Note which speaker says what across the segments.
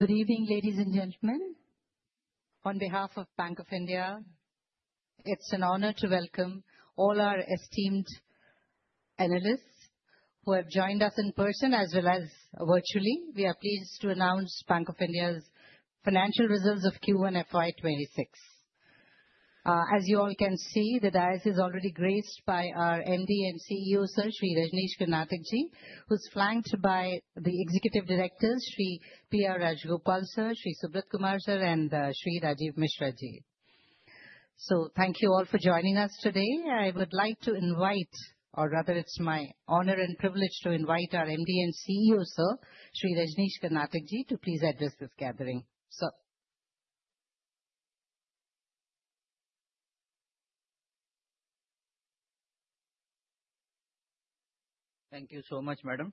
Speaker 1: Good evening ladies and gentlemen. On behalf of Bank of India, it's an honor to welcome all our esteemed analysts who have joined us in person as well as virtually. We are pleased to announce Bank of India's financial results of Q1 FY 2026. As you all can see, the dais is already graced by our MD and CEO Sir Shri Rajneesh Karnatak Ji, who is flanked by the Executive Directors Shri PR Rajagopal and Shri Subrat Kumar Mishra. Thank you all for joining us today. I would like to invite, or rather it's my honor and privilege to invite our MD and CEO Sir Shri Rajneesh Karnatak Ji to please address this gathering. Sir.
Speaker 2: Thank you so much, Madam.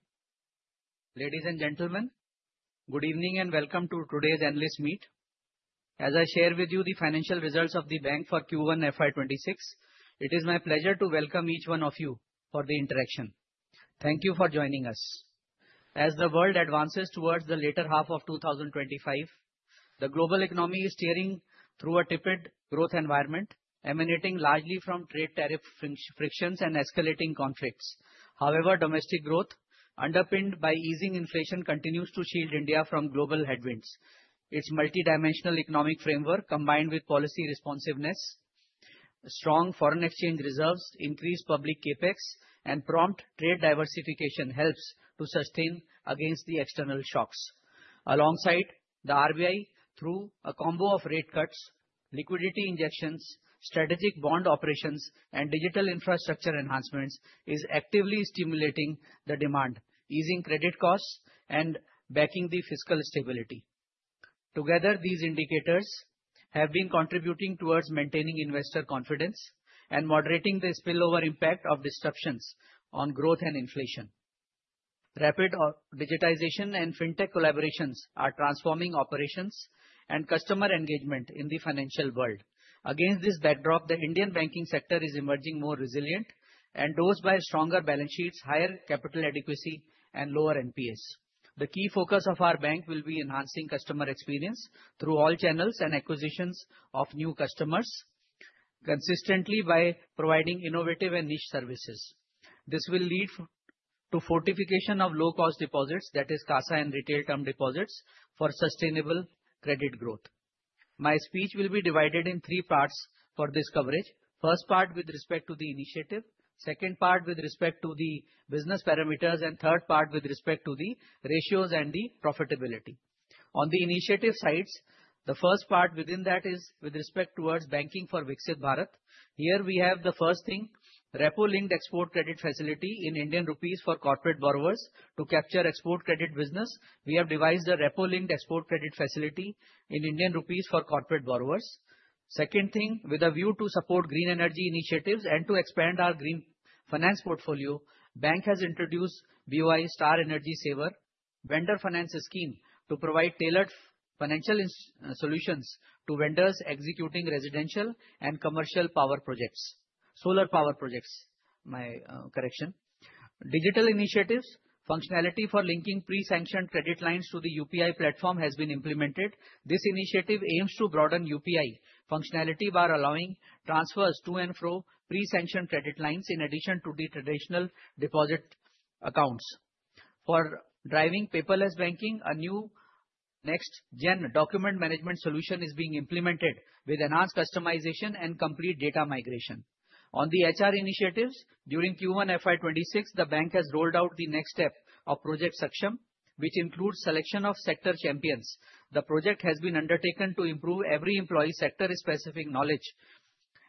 Speaker 2: Ladies and gentlemen, good evening and welcome to today's analyst meet. As I share with you the financial results of the bank for Q1 FY 2026, it is my pleasure to welcome each one of you for the interaction. Thank you for joining us. As the world advances towards the later half of 2025, the global economy is steering through a tepid growth environment emanating largely from trade tariff frictions and escalating conflicts. However, domestic growth underpinned by easing inflation continues to shield India from global headwinds. Its multidimensional economic framework, combined with policy responsiveness, strong foreign exchange reserves, increased public CapEx, and prompt trade diversification, helps to sustain against the external shocks. Alongside, the RBI, through a combo of rate cuts, liquidity injections, strategic bond operations, and digital infrastructure enhancements, is actively stimulating the demand, easing credit costs, and backing the fiscal stability. Together, these indicators have been contributing towards maintaining investor confidence and moderating the spillover impact of disruptions on growth and inflation. Rapid digitization and fintech collaborations are transforming operations and customer engagement in the financial world. Against this backdrop, the Indian banking sector is emerging more resilient and dosed by stronger balance sheets, higher capital adequacy, and lower NPAs. The key focus of our bank will be enhancing customer experience through all channels and acquisitions of new customers consistently by providing innovative and niche services. This will lead to fortification of low-cost deposits, i.e., CASA and retail term deposits, for sustainable credit growth. My speech will be divided in three parts for this coverage. First part with respect to the initiative, second part with respect to the business parameters, and third part with respect to the ratios and the profitability. On the initiative sides, the first part within that is with respect towards banking for Viksit Bharat. Here we have the first thing: repo linked export credit facility in Indian rupees for corporate borrowers. To capture export credit business, we have devised a repo linked export credit facility in Indian rupees for corporate borrowers. Second thing, with a view to support green energy initiatives and to expand our green finance portfolio, the bank has introduced BOI Star Energy Saver Vendor Finance scheme to provide tailored financial solutions to vendors executing residential and commercial power projects, solar power projects. My correction, digital initiatives functionality for linking pre-sanctioned credit lines to the UPI platform has been implemented. This initiative aims to broaden UPI functionality by allowing transfers to and from pre-sanctioned credit lines in addition to the traditional deposit accounts for driving paperless banking. A new next-gen document management solution is being implemented with enhanced customization and complete data migration. On the HR initiatives, during Q1 FY 2026, the bank has rolled out the next step of Project Saksham, which includes selection of sector champions. The project has been undertaken to improve every employee's sector-specific knowledge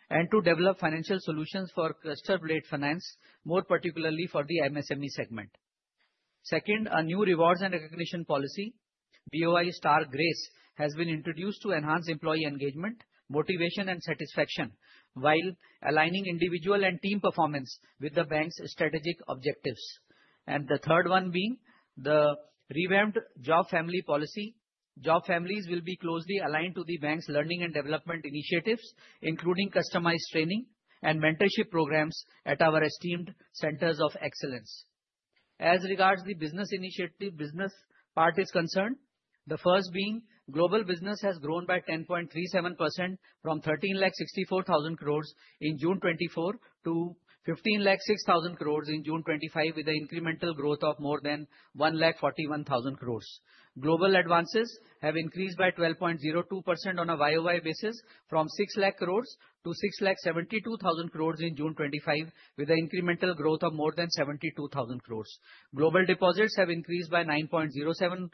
Speaker 2: and to develop financial solutions for cluster-based finance, more particularly for the MSME segment. Second, a new rewards and recognition policy, BOI Star Grace, has been introduced to enhance employee engagement, motivation, and satisfaction while aligning individual and team performance with the bank's strategic objectives, and the third one being the revamped job family policy. Job families will be closely aligned to the bank's learning and development initiatives, including customized training and mentorship programs at our esteemed centers of excellence. As regards the business initiative, business part is concerned, the first being global business has grown by 10.37% from 13,64,000 crore in June 2024-INR 15,05,000 crore in June 2025, with an incremental growth of more than 1,41,000 crore. Global advances have increased by 12.02% on a year-on-year basis from 6,00,000 crore-6,72,000 crore in June 2025, with the incremental growth of more than 72,000 crore. Global deposits have increased by 9.07%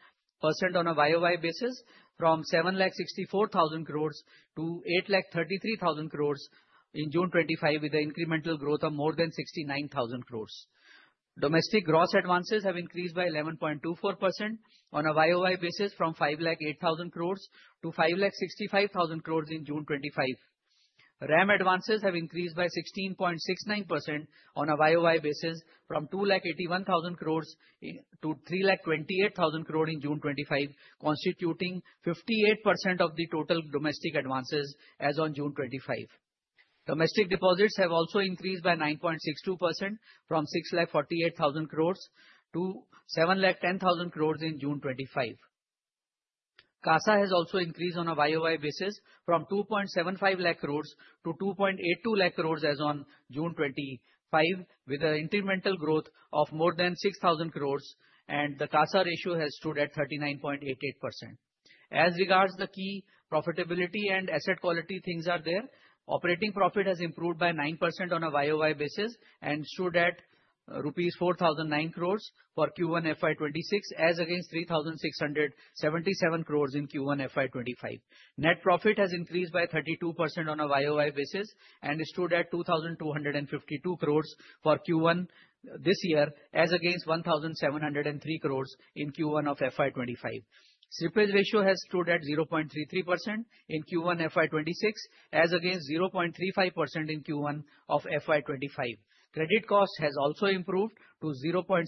Speaker 2: on a year-on-year basis from 7,64,000 crore-8,33,000 crore in June 2025, with the incremental growth of more than 69,000 crore. Domestic gross advances have increased by 11.24% on a year-on-year basis from 5,08,000 crore-5,65,000 crore in June 2025. RAM advances have increased by 16.69% on a year-on-year basis from 2,81,000 crore- 3,28,000 crore in June 2025, constituting 58% of the total domestic advances as on June 2025. Domestic deposits have also increased by 9.62% from 6,48,000 crore-7,10,000 crore in June 2025. CASA has also increased on a year-on-year basis from 2.75 lakh crores- 2.82 lakh crores as on June 25 with an incremental growth of more than 6,000 crores, and the CASA ratio has stood at 39.88%. As regards the key profitability and asset quality, things are there. Operating profit has improved by 9% on a year-on-year basis and stood at rupees 4,009 crores for Q1 FY 2026 as against 3,677 crores in Q1 FY 2025. Net profit has increased by 32% on a year-on-year basis and stood at 2,252 crores for Q1 this year as against 1,703 crores in Q1 of FY 2025. Slippage ratio has stood at 0.33% in Q1 FY 2026 as against 0.35% in Q1 of FY 2025. Credit cost has also improved to 0.68%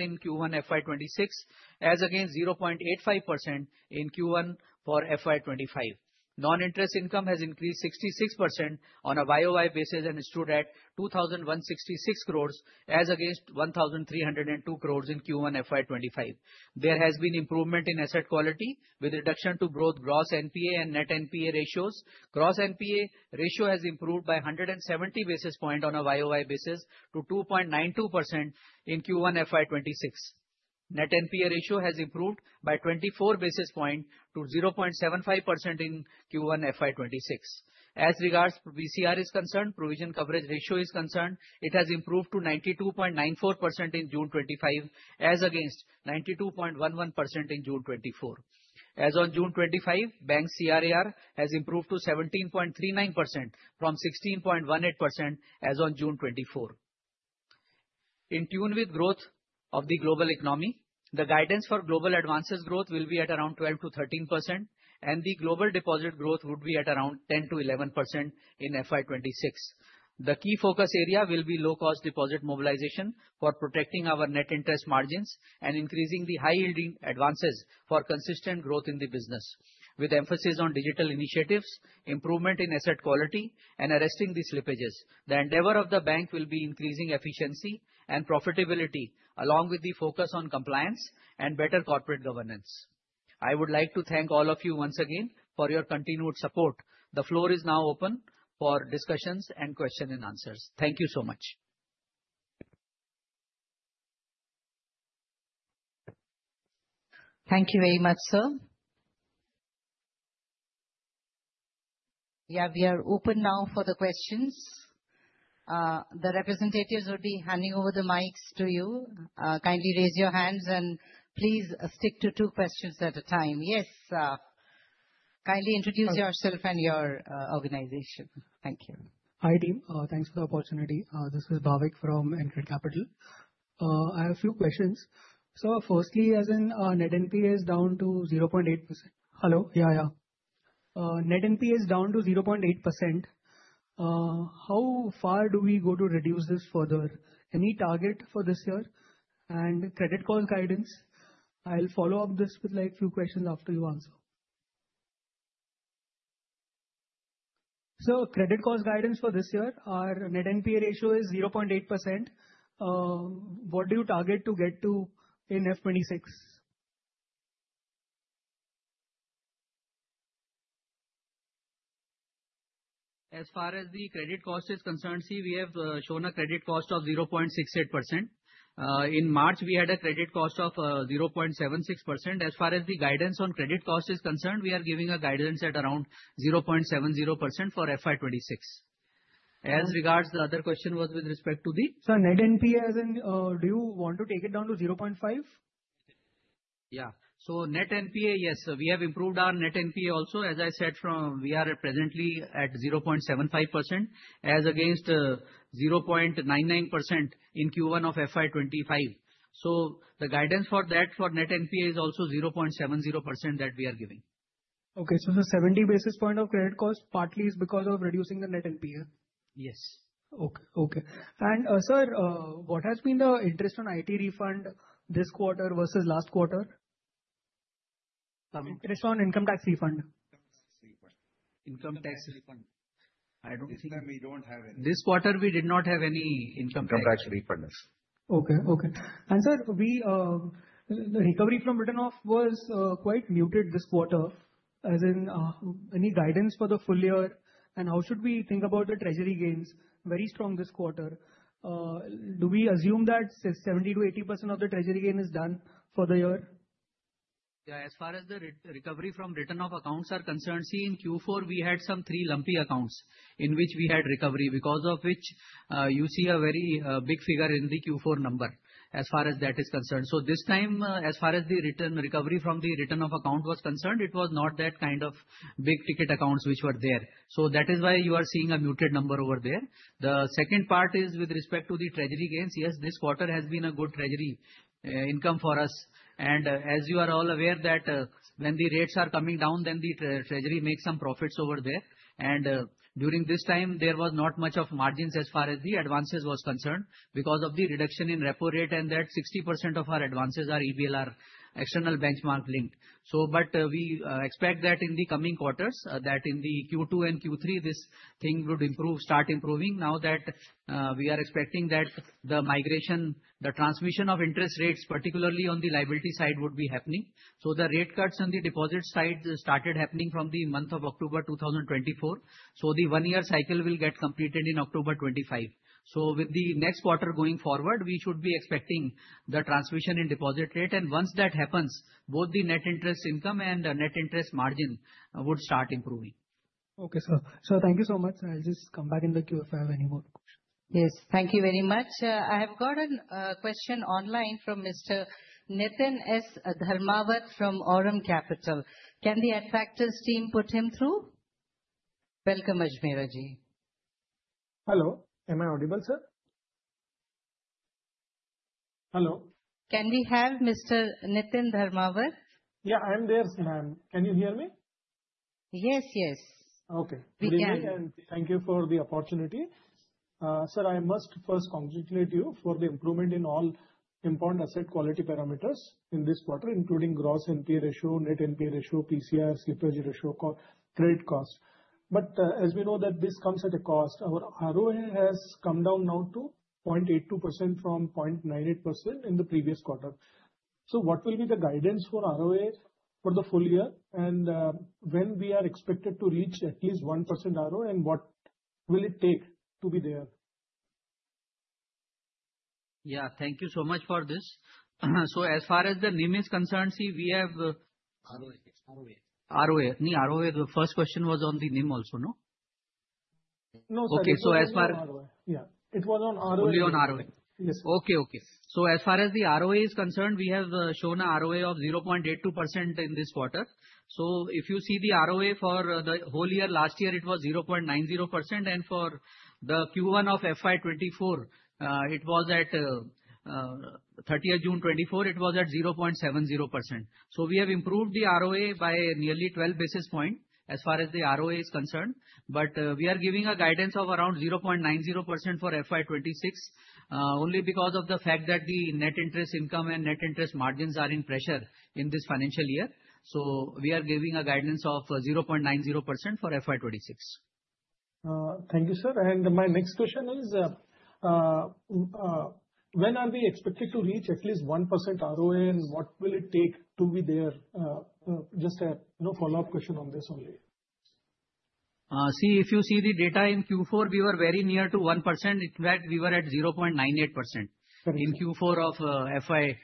Speaker 2: in Q1 FY 2026 as against 0.85% in Q1 for FY 2025. Non-interest income has increased 66% on a year-on-year basis and stood at 2,166 crores as against 1,302 crores in Q1 FY 2025. There has been improvement in asset quality with reduction to gross NPA and net NPA ratios. Gross NPA ratio has improved by 170 basis points on a year-on-year basis to 2.92% in Q1 FY 2026. Net NPA ratio has improved by 24 basis points to 0.75% in Q1 FY 2026. As regards provision coverage ratio is concerned, it has improved to 92.94% in June 25 as against 92.11% in June 24. As on June 25, Bank CRAR has improved to 17.39% from 16.18% as on June 24. In tune with growth of the global economy, the guidance for global advances growth will be at around 12%-13% and the global deposit growth would be at around 10%-11% in FY 2026. The key focus area will be low-cost deposit mobilization for protecting our net interest margins and increasing the high-yielding advances for consistent growth in the business with emphasis on digital initiatives and improvement in asset quality and arresting the slippages. The endeavor of the bank will be increasing efficiency and profitability along with the focus on compliance and better corporate governance. I would like to thank all of you once again for your continued support. The floor is now open for discussions and question and answers. Thank you so much.
Speaker 1: Thank you very much, sir. We are open now for the questions. The representatives will be handing over the mics to you. Kindly raise your hands and please stick to two questions at a time. Kindly introduce yourself and your organization. Thank you.
Speaker 3: Hi team. Thanks for the opportunity. This is Bhavik from NCGRID Capital. I have a few questions. Firstly, as in net NPA is down to 0.8%. Hello. Yeah, net NPA is down to 0.8%. How far do we go to reduce this further? Any target for this year and credit cost guidance? I'll follow up this with like few questions after you answer. Credit cost guidance for this year, our net NPA ratio is 0.8%. What do you target to get to in FY 2026.
Speaker 2: As far as the credit cost is concerned, we have shown a credit cost of 0.68%. In March we had a credit cost of 0.76%. As far as the guidance on credit cost is concerned, we are giving a guidance at around 0.70% for FY 2026. As regards the other question, it was with respect to.
Speaker 3: The net NPA as. Do you want to take it down to 0.5%?
Speaker 2: Yeah. Net NPA. Yes, we have improved our net NPA. Also, as I said, we are presently at 0.75% as against 0.99% in Q1 of FY 2025. The guidance for net NPA is also 0.70% that we are giving.
Speaker 3: Okay, so the 70 basis point of Credit cost partly is because of reducing the net NPA.
Speaker 2: Yes.
Speaker 3: Okay. Sir, what has been the interest on IT refund this quarter versus last quarter? Income tax refund?
Speaker 2: Income tax refund? I don't think we have it this quarter. We did not have any income tax refund.
Speaker 3: Okay, the recovery from written off was quite muted this quarter. Is there any guidance for the full year? How should we think about the treasury gains? Very strong this quarter? Do we assume that 70%-80% of the treasury gain is done for the year?
Speaker 2: As far as the recovery from written off accounts are concerned, in Q4 we had some three lumpy accounts in which we had recovery because of which you see a very big figure in the Q4 number as far as that is concerned. This time as far as the return recovery from the written off account was concerned, it was not that kind of big ticket accounts which were there. That is why you are seeing a muted number over there. The second part is with respect to the treasury gains, yes, this quarter has been a good treasury income for us. As you are all aware, when the rates are coming down then the treasury makes some profits over there. During this time there was not much of margins as far as the advances were concerned because of the reduction in repo rate and that 60% of our advances are EBLR external benchmark linked. We expect that in the coming quarters, in Q2 and Q3, this thing would improve, start improving now that we are expecting that the migration, the transmission of interest rates, particularly on the liability side, would be happening. The rate cuts on the deposit side started happening from the month of October 2024. The one year cycle will get completed in October 2025. With the next quarter going forward, we should be expecting the transmission in deposit rate. Once that happens, both the net interest income and net interest margin would start improving.
Speaker 3: Okay, sir, thank you so much. I'll just come back in the queue. If I have any more questions.
Speaker 1: Yes, thank you very much. I have got a question online from Mr. Niteen S Dharmawat from Aurum Capital. Can the AD factors team put him through? Welcome Dharmawat.
Speaker 4: Hello, am I audible? Sir, hello?
Speaker 1: Can we have Mr. Niteen Dharmawat?
Speaker 4: Yeah, I am there, ma'am, can you hear me?
Speaker 1: Yes. Begin.
Speaker 4: Okay. Thank you for the opportunity, Sir. I must first congratulate you for the improvement in all important asset quality parameters in this quarter, including gross NPA ratio, net NPA ratio, PCR, CPG ratio, credit cost. As we know that this comes at a cost, our ROA has come down now to 0.82% from 0.98% in the previous quarter. What will be the guidance for ROA for the full year, and when are we expected to reach at least 1% ROA, and what will it take to be there?
Speaker 2: Thank you so much for this. As far as the NIM is concerned, see, we have.
Speaker 4: ROA.
Speaker 2: The first question was on the [NIM also]. No. As far ROA.
Speaker 4: Yeah, it was on ROA.
Speaker 2: Yes. Okay. As far as the ROA is concerned, we have shown a ROA of 0.82% in this quarter. If you see the ROA for the whole year, last year it was 0.90%, and for Q1 of FY 2024, at the 30th of June 2024, it was at 0.70%. We have improved the ROA by nearly 12 basis points as far as the ROA is concerned. We are giving a guidance of around 0.90% for FY 2026, only because of the fact that the net interest income and net interest margins are in pressure in this financial year. We are giving a guidance of 0.90% for FY 2026.
Speaker 4: Thank you, sir. My next question is. When are. We expected to reach at least 1% ROA. What will it take to be there? Just a follow up question on this.
Speaker 2: If you see the data in Q4, we were very near to 1%. In fact, we were at 0.98% in Q4 of FY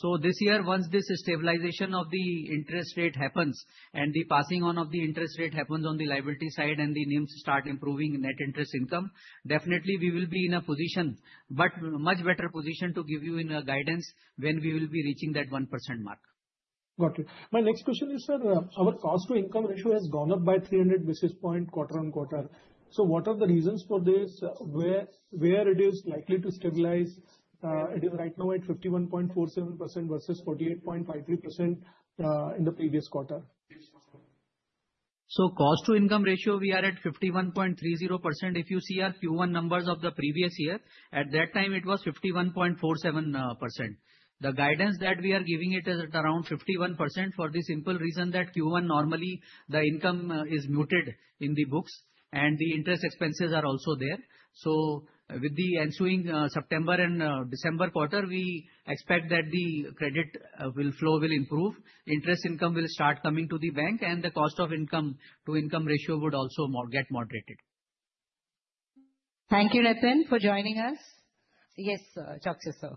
Speaker 2: 2025. This year, once this stabilization of the interest rate happens and the passing on of the interest rate happens on the liability side and the NIMs start improving, net interest income definitely we will be in a much better position to give you guidance when we will be reaching that 1% mark.
Speaker 4: Got it. My next question is, sir, our cost To income ratio has gone up by 300 basis point quarter on quarter. What are the reasons for this, where is it likely to stabilize? It is right now at 51.47% versus 48.53% in the previous quarter.
Speaker 2: The cost to income ratio, we are at 51.30%. If you see our Q1 numbers of the previous year, at that time it was 51.47%. The guidance that we are giving is at around 51%. For the simple reason that Q1, normally the income is muted in the books and the interest expenses are also there. With the ensuing September and December quarter, we expect that the credit flow will improve, interest income will start coming to the bank, and the cost to income ratio would also get moderated.
Speaker 1: Thank you, Niteen, for joining us. Yes, Choksey sir.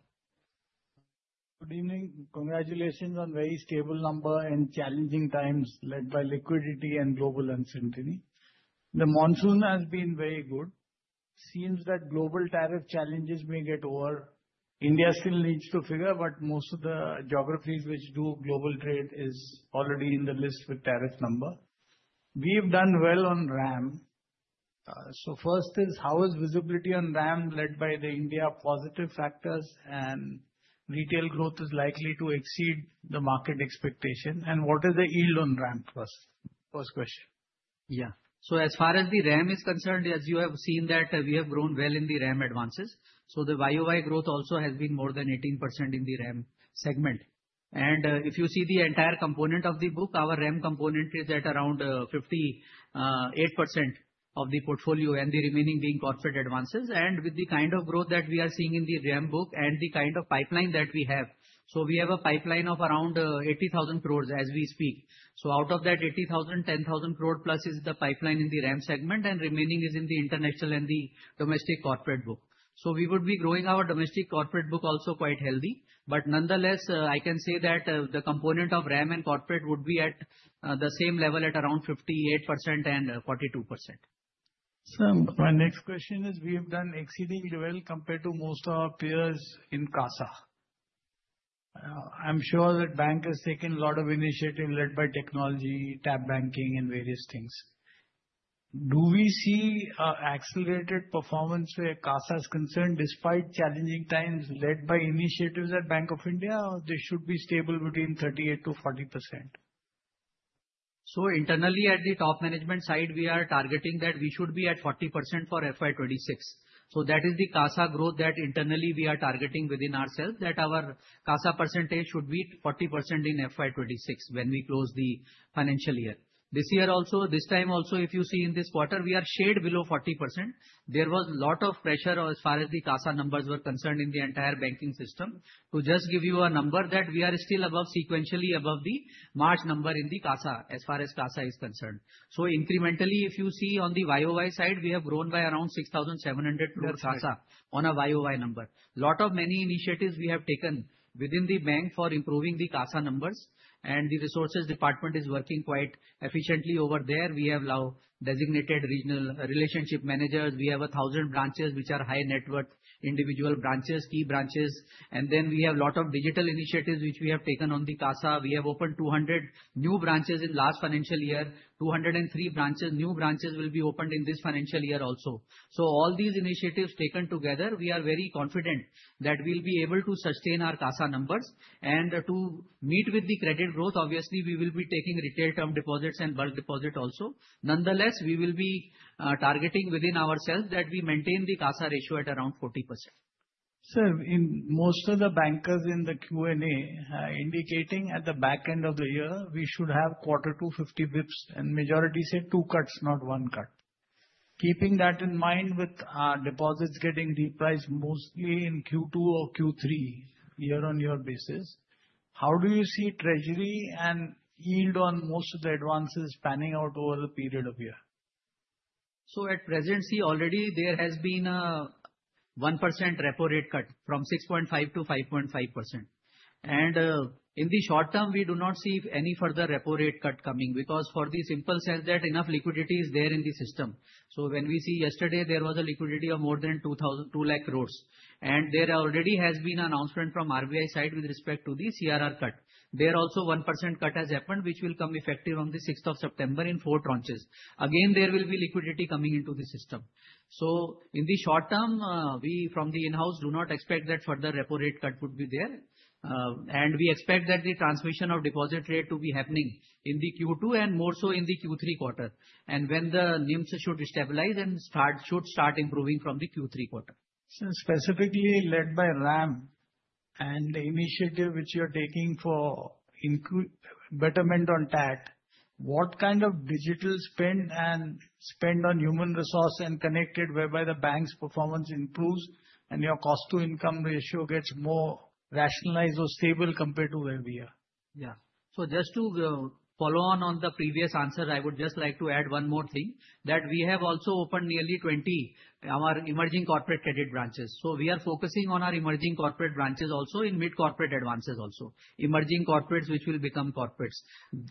Speaker 5: Good evening. Congratulations on very stable numbers in challenging times led by liquidity and global uncertainty. The monsoon has been very good. It seems that global tariff challenges may get over. India still needs to figure. Most of the geographies which do global trade are already in the list with tariff numbers. We have done well on RAM. First, how is visibility on RAM led by the India positive factors, and retail growth is likely to exceed the market expectation? What is the yield on RAM? First. First question, yeah.
Speaker 2: As far as the RAM is concerned, as you have seen, we have grown well in the RAM advances. The YOY growth also has been more than 18% in the RAM segment. If you see the entire component of the book, our RAM component is at around 58% of the portfolio, the remaining being corporate advances. With the kind of growth that we are seeing in the RAM book and the kind of pipeline that we have, we have a pipeline of around 80,000 crore as we speak. Out of that 80,000 crore, 10,000 crore plus is the pipeline in the RAM segment and the remaining is in the international and the domestic corporate book. We would be growing our domestic corporate book also quite healthy. Nonetheless, I can say that the component of RAM and corporate would be at the same level at around 58% and 42%.
Speaker 5: My next question is we have done exceedingly well compared to most of our peers in CASA. I'm sure that Bank has taken a lot of initiative led by technology, tap banking and various things. Do we see accelerated performance where CASA is concerned? Despite challenging times led by initiatives at Bank of India, they should be stable between 38%-40%.
Speaker 2: Internally at the top management side, we are targeting that we should be at 40% for FY 2026. That is the CASA growth that internally we are targeting within ourselves, that our CASA percentage should be 40% in FY 2026 when we close the financial year. This year also, this time also, if you see in this quarter, we are a shade below 40%. There was a lot of pressure as far as the CASA numbers were concerned in the entire banking system. To just give you a number, we are still above, sequentially above the March number in the CASA as far as CASA is concerned. Incrementally, if you see on the YOY side, we have grown by around 6,700 crore CASA on a YOY number. Many initiatives we have taken within the bank for improving the CASA numbers. The resources department is working quite efficiently over there. We have now designated regional relationship managers. We have 1,000 branches which are high net worth individual branches, key branches. We have a lot of digital initiatives which we have taken on the CASA. We have opened 200 new branches in the last financial year. 203 branches. New branches will be opened in this financial year also. All these initiatives taken together, we are very confident that we will be able to sustain our CASA numbers and to meet with the credit growth. Obviously, we will be taking retail term deposits and bulk deposit also. Nonetheless, we will be targeting within ourselves that we maintain the CASA ratio at around 40%.
Speaker 5: Sir, in most of the bankers in the Q and A indicating at the back end of the year we should have quarter 250 bps and majority say two cuts, not one cut. Keeping that in mind, with deposits getting repriced mostly in Q2 or Q3 year on year basis, how do you see treasury and yield on most of the advances panning out over the period of year?
Speaker 2: At present, already there has been a 1% repo rate cut from 6.5% to 5.5%, and in the short term we do not see any further repo rate cut coming because for the simple sense that enough liquidity is there in the system. When we see yesterday, there was a liquidity of more than 2002 billion, and there already has been announcement from RBI side with respect to the CRR cut. There also, 1% cut has happened, which will come effective on the 6th of September in four tranches. Again, there will be liquidity coming into the system. In the short term, we from the in-house do not expect that further repo rate cut would be there, and we expect that the transmission of deposit rate to be happening in Q2 and more so in the Q3 quarter, and when the NIMs should stabilize and should start improving from there.
Speaker 5: Q3 quarter specifically led by RAM and the initiative which you're taking for betterment on that, what kind of digital spend and spend on human resource and connected whereby the Bank of India's performance improves and your cost to income ratio gets more rationalized or stable compared to where we are.
Speaker 2: Yeah, just to follow on the previous answer, I would just like to add one more thing that we have also opened nearly 20 of our emerging corporate credit branches. We are focusing on our emerging corporate branches also in mid corporate advances, also emerging corporates which will become corporates.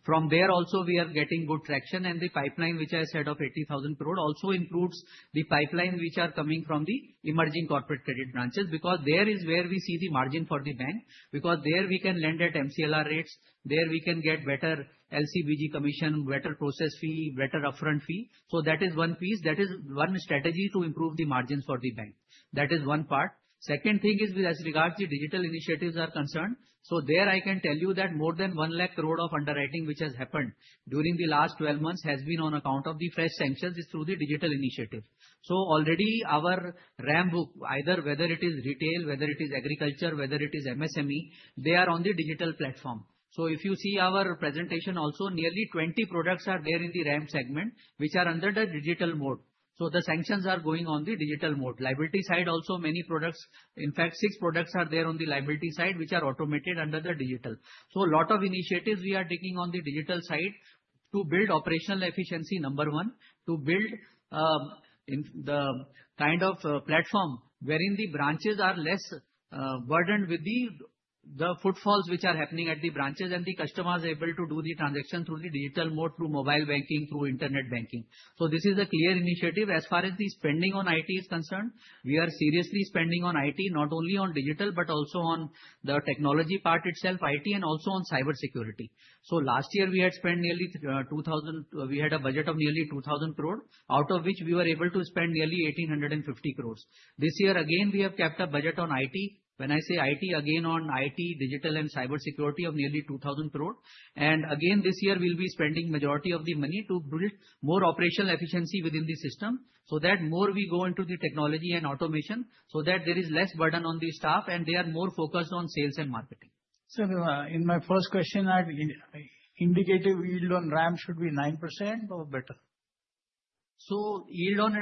Speaker 2: From there also, we are getting good traction, and the pipeline which I said of 80,000 crore also improves, the pipeline which is coming from the emerging corporate credit branches, because that is where we see the margin for the bank. There we can lend at MCLR rates, there we can get better LC/BG commission, better process fee, better upfront fee. That is one piece, that is one strategy to improve the margins for the bank, that is one part. Second thing is, as regards the digital initiatives, I can tell you that more than 1 lakh crore of underwriting which has happened during the last 12 months has been on account of the fresh sanctions through the digital initiative. Already our RAM book, whether it is retail, whether it is agriculture, whether it is MSME, they are on the digital platform. If you see our presentation also, nearly 20 products are there in the RAM segment which are under the digital mode. The sanctions are going on the digital mode. On the liability side also, many products, in fact six products, are there on the liability side which are automated under the digital. A lot of initiatives we are taking on the digital side to build operational efficiency, number one, to build the kind of platform wherein the branches are less burdened with the footfalls which are happening at the branches and the customers are able to do the transaction through the digital mode, through mobile banking, through internet banking. This is a clear initiative as far as the spending on IT is concerned. We are seriously spending on IT, not only on digital but also on the technology part itself, IT and also on cyber security. Last year, we had spent nearly 2,000 crore. We had a budget of nearly 2,000 crore, out of which we were able to spend nearly 1,850 crore. This year again, we have kept a budget on IT. When I say IT, again on IT, digital and cyber security, of nearly 2,000 crore. Again, this year we'll be spending majority of the money to build more operational efficiency within the system so that more we go into the technology and automation, so that there is less burden on the staff and they are more focused on sales and marketing.
Speaker 5: Sir. In my first question, indicative yield on RAM should be 9% or better.
Speaker 2: Yield on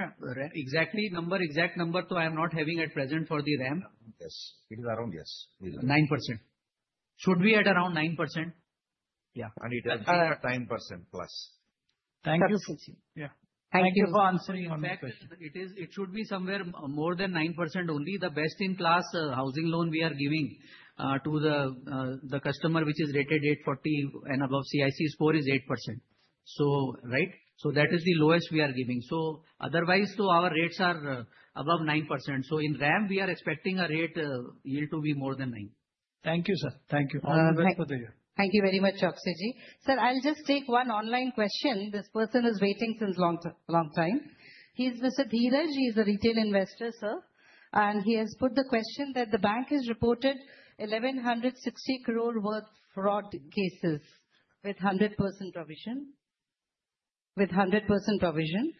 Speaker 2: exactly number exact number two I am not having at present for the RAM.
Speaker 6: Yes, it is around. Yes,
Speaker 7: 9% should be at around 9%.
Speaker 6: Yeah. It has 9%+.
Speaker 2: Thank you. for answering it. It should be somewhere more than 9% only. The best in class housing loan we are giving to the customer which is rated 840 and above CIC score is 8%. That is the lowest we are giving. Otherwise, our rates are above 9%. In RAM we are expecting a rate yield to be more than 9%.
Speaker 5: Thank you, sir. Thank you.[audio disortion]
Speaker 1: Thank you very much. Sir, I'll just take one online question. This person is waiting since long time. He's Mr. Dheeraj. He's a retail investor, sir, and he has put the question that the bank has reported 1,160 crore worth fraud cases with 100% provision.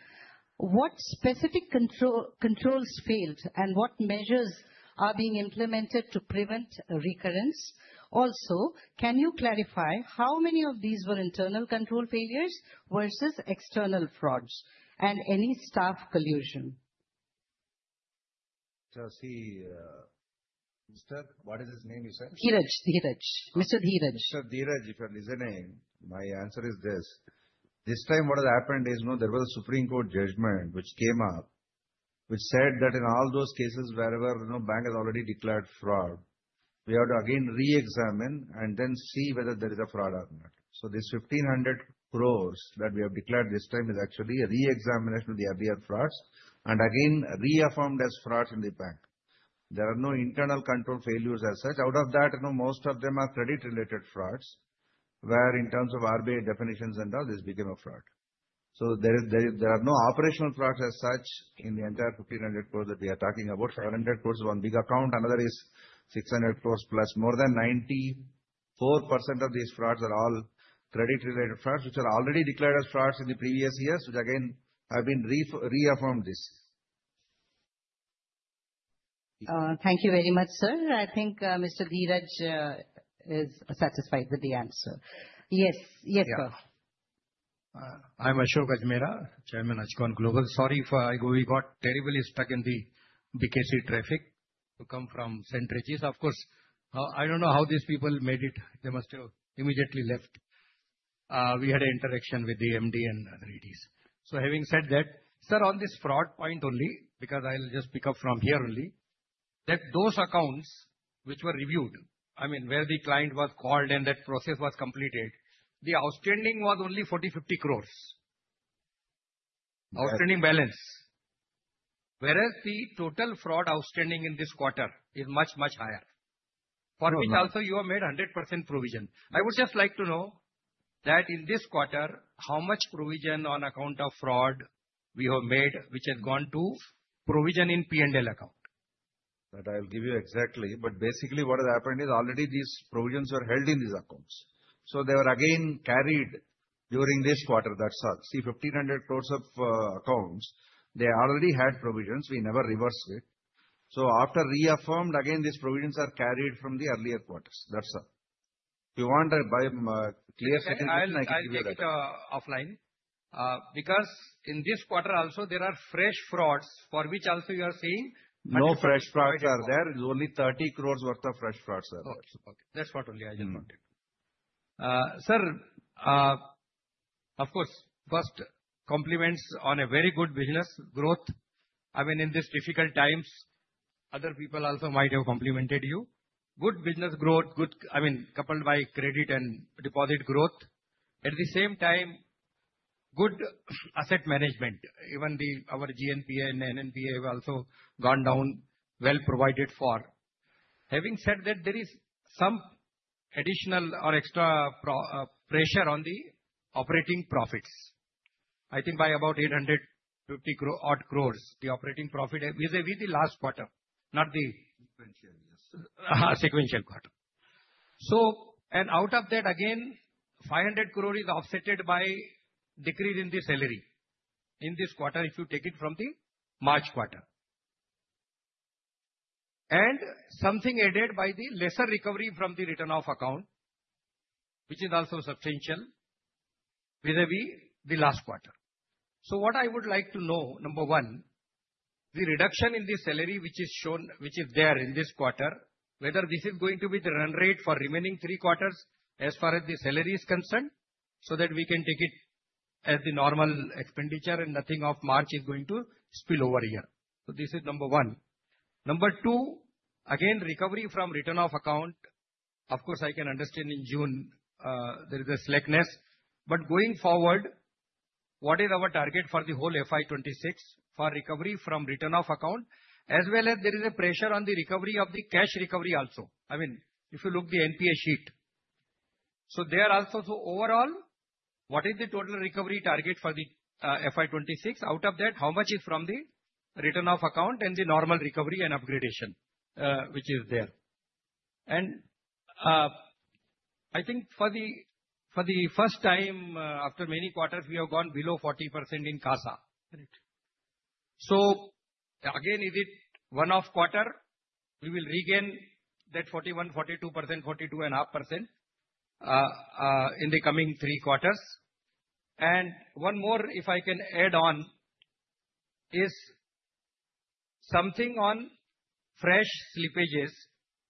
Speaker 1: What specific controls failed and what measures are being implemented to prevent recurrence? Also, can you clarify how many of these were internal control failures versus external frauds and any staff collusion?
Speaker 6: Mr. What is his name?
Speaker 1: Siraj Dheeraj. Mr. Dheeraj.
Speaker 6: Mr. Dheeraj, if you are listening, my answer is this. This time what has happened is, there was a Supreme Court judgment which came up which said that in all those cases wherever no bank has already declared fraud, we have to again re-examine and then see whether there is a fraud or not. So this 1,500 crore that we have declared this time is actually a re-examination of the earlier frauds and again reaffirmed as frauds in the bank. There are no internal control failures as such out of that. Most of them are credit related frauds, where in terms of RBI definitions and all, this became a fraud. There are no operational frauds as such in the entire 1,500 crore that we are talking about. 700 crore, one big account, another is 600 crore. Plus, more than 94% of these frauds are all credit related frauds which are already declared as frauds in the previous years, which again have been reaffirmed this year.
Speaker 1: Thank you very much, Sir. I think Mr. Dheeraj is satisfied with the answer. Yes.
Speaker 8: I'm Ashok Ajmera, Chairman Ajcon Global. Sorry if I go. We got terribly stuck in the BKC traffic to come from Centrigis. Of course, I don't know how these people made it. They must have immediately left. We had an interaction with the MD and Redis. Having said that, sir, on this fraud point only, because I'll just pick up from here only, those accounts which were reviewed, I mean where the client was called and that process was completed, the outstanding was only 4,050 crore outstanding balance. Whereas the total fraud outstanding in this quarter is much, much higher, for which also you have made 100% provision. I would just like to know that in this quarter, how much provision on account of fraud we have made which has gone to provision in P&L account.
Speaker 6: I'll give you exactly. Basically, what has happened is already these provisions are held in these accounts. They were again carried during this quarter, that's all. 1,500 crore of accounts already had provisions. We never reversed it. After reaffirmed again, these provisions are carried from the earlier quarters. That's all you want to buy. Clear. Second offline.
Speaker 8: Because in this quarter also there are fresh frauds, for which also you are seeing.
Speaker 6: No fresh frauds are there only 30 crore worth of fresh frauds are there? That's [audio disortion]?
Speaker 8: Sir. Of course, first, compliments on a very good business growth. I mean, in these difficult times, other people also might have complimented you. Good business growth, good. I mean, coupled by credit and deposit growth at the same time, good asset management. Even our gross NPA ratio and net NPA have also gone down, well provided for. Having said that, there is some additional or extra pressure on the operating profits, I think by about 850 crore, the operating profit is vis-à-vis the last quarter, not the sequential. Yes, sequential quarter. Out of that, again, 500 crore is offset by decrease in the salary in this quarter, if you take it from the March. Quarter. Something added by the lesser recovery from the return of account, which is also substantial, will be the last quarter. What I would like to know, number one, the reduction in the salary which is shown, which is there in this quarter, whether this is going to be the run rate for the remaining three quarters as far as the salary is concerned, so that we can take it as the normal expenditure and nothing of March is going to spill over here. This is number one. Number two, again, recovery from return off account. Of course, I can understand in June there is a slackness, but going forward, what is our target for the whole FY 2026 for recovery from return off account as well as there is a pressure on the recovery of the cash recovery also. I mean, if you look at the NPA sheet, there also. Overall, what is the total recovery target for FY 2026? Out of that, how much is from the written off account and the normal recovery and upgradation which is there? I think for the first time after many quarters, we have gone below 40% in CASA. Is it a one-off quarter? Will we regain that 41%, 42%, 42.5% in the coming 3/4s? One more, if I can add on, is something on fresh slippages,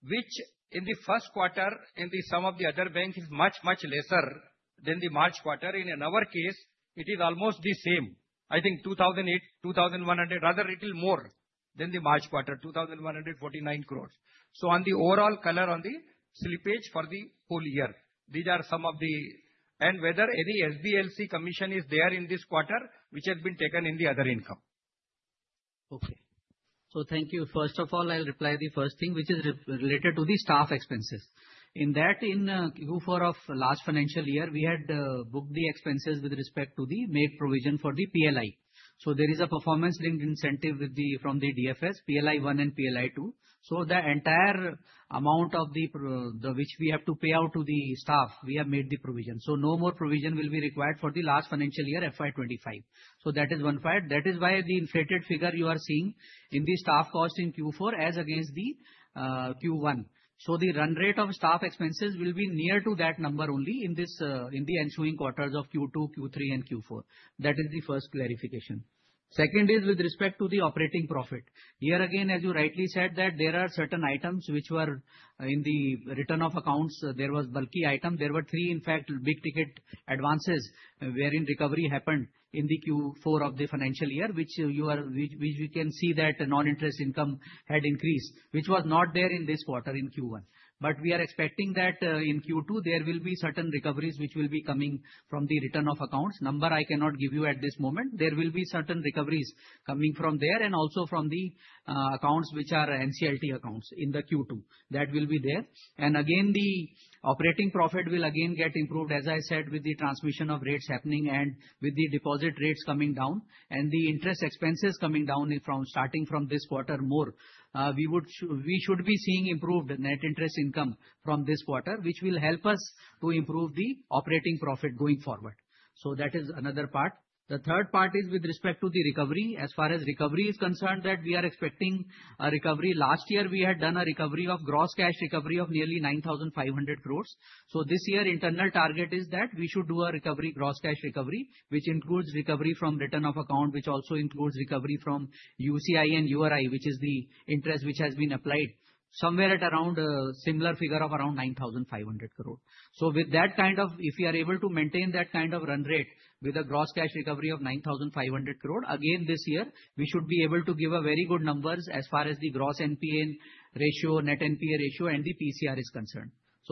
Speaker 8: which in the first quarter in some of the other banks is much, much lesser than the March quarter. In our case, it is almost the same, I think 2,082 crore, rather a little more than the March quarter, 2,149 crore. On the overall color on the slippage for the full year, these are some of the questions. Whether any SBLC commission is there in this quarter which has been taken in the other income?
Speaker 2: Okay, so thank you. First of all, I'll reply the first thing which is related to the staff expenses. In Q4 of last financial year, we had booked the expenses with respect to the made provision for the PLI. There is a performance linked incentive from the DFS, PLI1 and PLI2. The entire amount which we have to pay out to the staff, we have made the provision. No more provision will be required for the last financial year, FY 2025. That is one part. That is why the inflated figure you are seeing in the staff cost in Q4 as against Q1. The run rate of staff expenses will be near to that number only in the ensuing quarters of Q2, Q3, and Q4. That is the first clarification. Second is with respect to the operating profit. Here again, as you rightly said, there are certain items which were in the written-off accounts. There was a bulky item, there were three in fact big ticket advances wherein recovery happened in Q4 of the financial year, which we can see that non-interest income had increased, which was not there in this quarter in Q1. We are expecting that in Q2 there will be certain recoveries which will be coming from the written-off accounts. Number I cannot give you at this moment. There will be certain recoveries coming from there and also from the accounts which are NCLT accounts in Q2. That will be there. The operating profit will again get improved. As I said, with the transmission of rates happening and with the deposit rates coming down and the interest expenses coming down from starting from this quarter, more we should be seeing improved net interest income from this quarter, which will help us to improve the operating profit going forward. That is another part. The third part is with respect to the recovery. As far as recovery is concerned, we are expecting a recovery. Last year, we had done a recovery of gross cash recovery of nearly 9,500 crore. This year, internal target is that we should do a recovery, gross cash recovery, which includes recovery from written-off account, which also includes recovery from UCI and URI, which is the interest which has been applied, somewhere at around similar figure of around 9,500 crore. If you are able to maintain that kind of run rate with a gross cash recovery of 9,500 crore again this year, we should be able to give very good numbers as far as the gross NPA ratio, net NPA ratio, and the provision coverage ratio is concerned.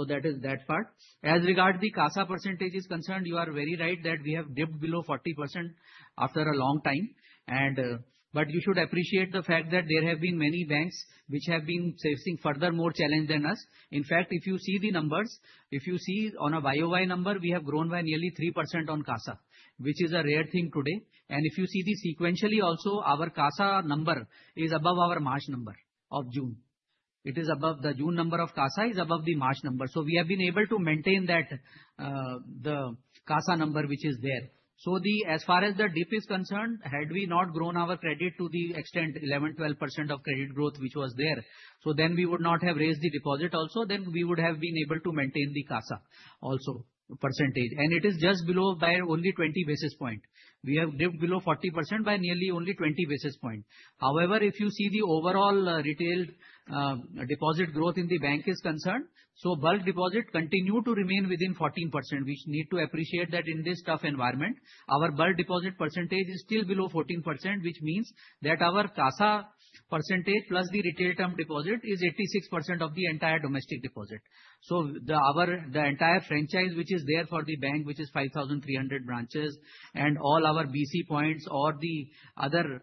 Speaker 2: That is that part as regard the CASA percentage is concerned. You are very right that we have dipped below 40% after a long time. You should appreciate the fact that there have been many banks which have been facing furthermore challenge than us. In fact, if you see the numbers, if you see on a YoY number, we have grown by nearly 3% on CASA which is a rare thing today. If you see sequentially also, our CASA number is above our March number; the June number of CASA is above the March number. We have been able to maintain that CASA number which is there. As far as the dip is concerned, had we not grown our credit to the extent 11%-12% of credit growth which was there, then we would not have raised the deposit also, then we would have been able to maintain the CASA also percentage. It is just below by only 20 basis points. We have dipped below 40% by nearly only 20 basis points. However, if you see the overall retail deposit growth in the bank is concerned, bulk deposit continues to remain within 14%. We need to appreciate that in this tough environment our bulk deposit percentage is still below 14%, which means that our CASA percentage plus the retail term deposit is 86% of the entire domestic deposit. The entire franchise which is there for the bank, which is 5,300 branches and all our BC points or the other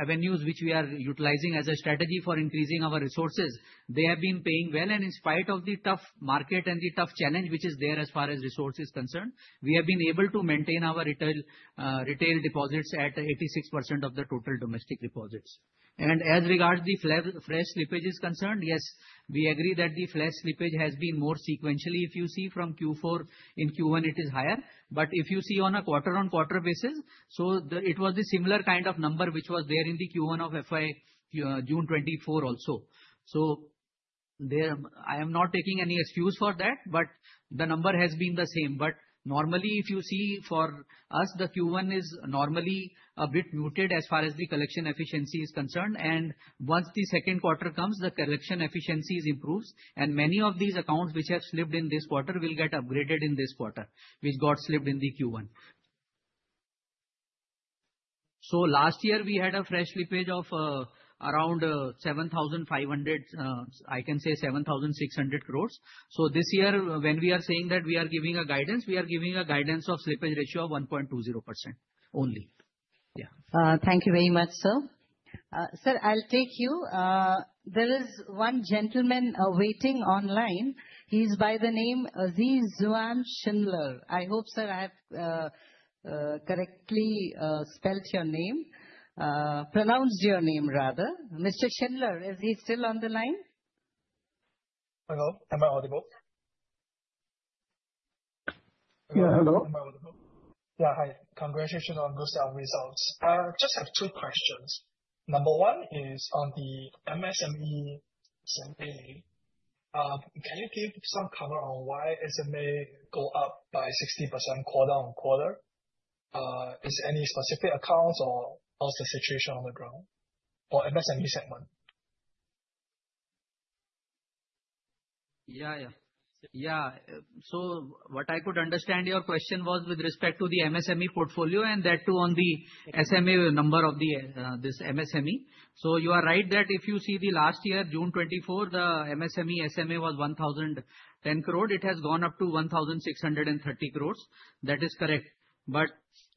Speaker 2: avenues which we are utilizing as a strategy for increasing our resources, they have been paying well. In spite of the tough market and the tough challenge which is there as far as resource is concerned, we have been able to maintain our retail deposits at 86% of the total domestic deposits. As regards the fresh slippage is concerned, yes, we agree that the fresh slippage has been more sequentially. If you see from Q4, in Q1 it is higher. If you see on a quarter-on-quarter basis, it was the similar kind of number which was there in the Q1 of FY June 2024 also. I am not taking any excuse for that, but the number has been the same. Normally, if you see for us, the Q1 is normally a bit muted as far as the collection efficiency is concerned. Once the second quarter comes, the collection efficiency improves and many of these accounts which have slipped in this quarter will get upgraded in this quarter which got slipped in the Q1. Last year we had a fresh slippage of around 7,500 crores. I can say 7,600 crores. This year, when we are saying that we are giving a guidance, we are giving a guidance of slippage ratio of 1.20% only. Yeah.
Speaker 1: Thank you very much sir. Sir, I'll take you. There is one gentleman waiting online, he's by the name Azizuam Schindler. I hope, sir, I have correctly spelled your name, pronounced your name rather. Mr. Schindler, is he still on the line?
Speaker 9: Hello, am I audible?
Speaker 2: Yeah, hello.
Speaker 9: Yeah, hi. Congratulations on good set of results. I just have two questions. Number one is on the MSME, can you give some color on why SMA go up by 60% quarter-on-quarter? Is any specific accounts or what's the situation on the ground or MSME segment?
Speaker 2: Yeah, yeah. What I could understand, your question was with respect to the MSME portfolio and that too on the SMA number of this MSME. You are right that if you see last year June 2024, the MSME SMA was 10 crore. It has gone up to 1,630 crore. That is correct.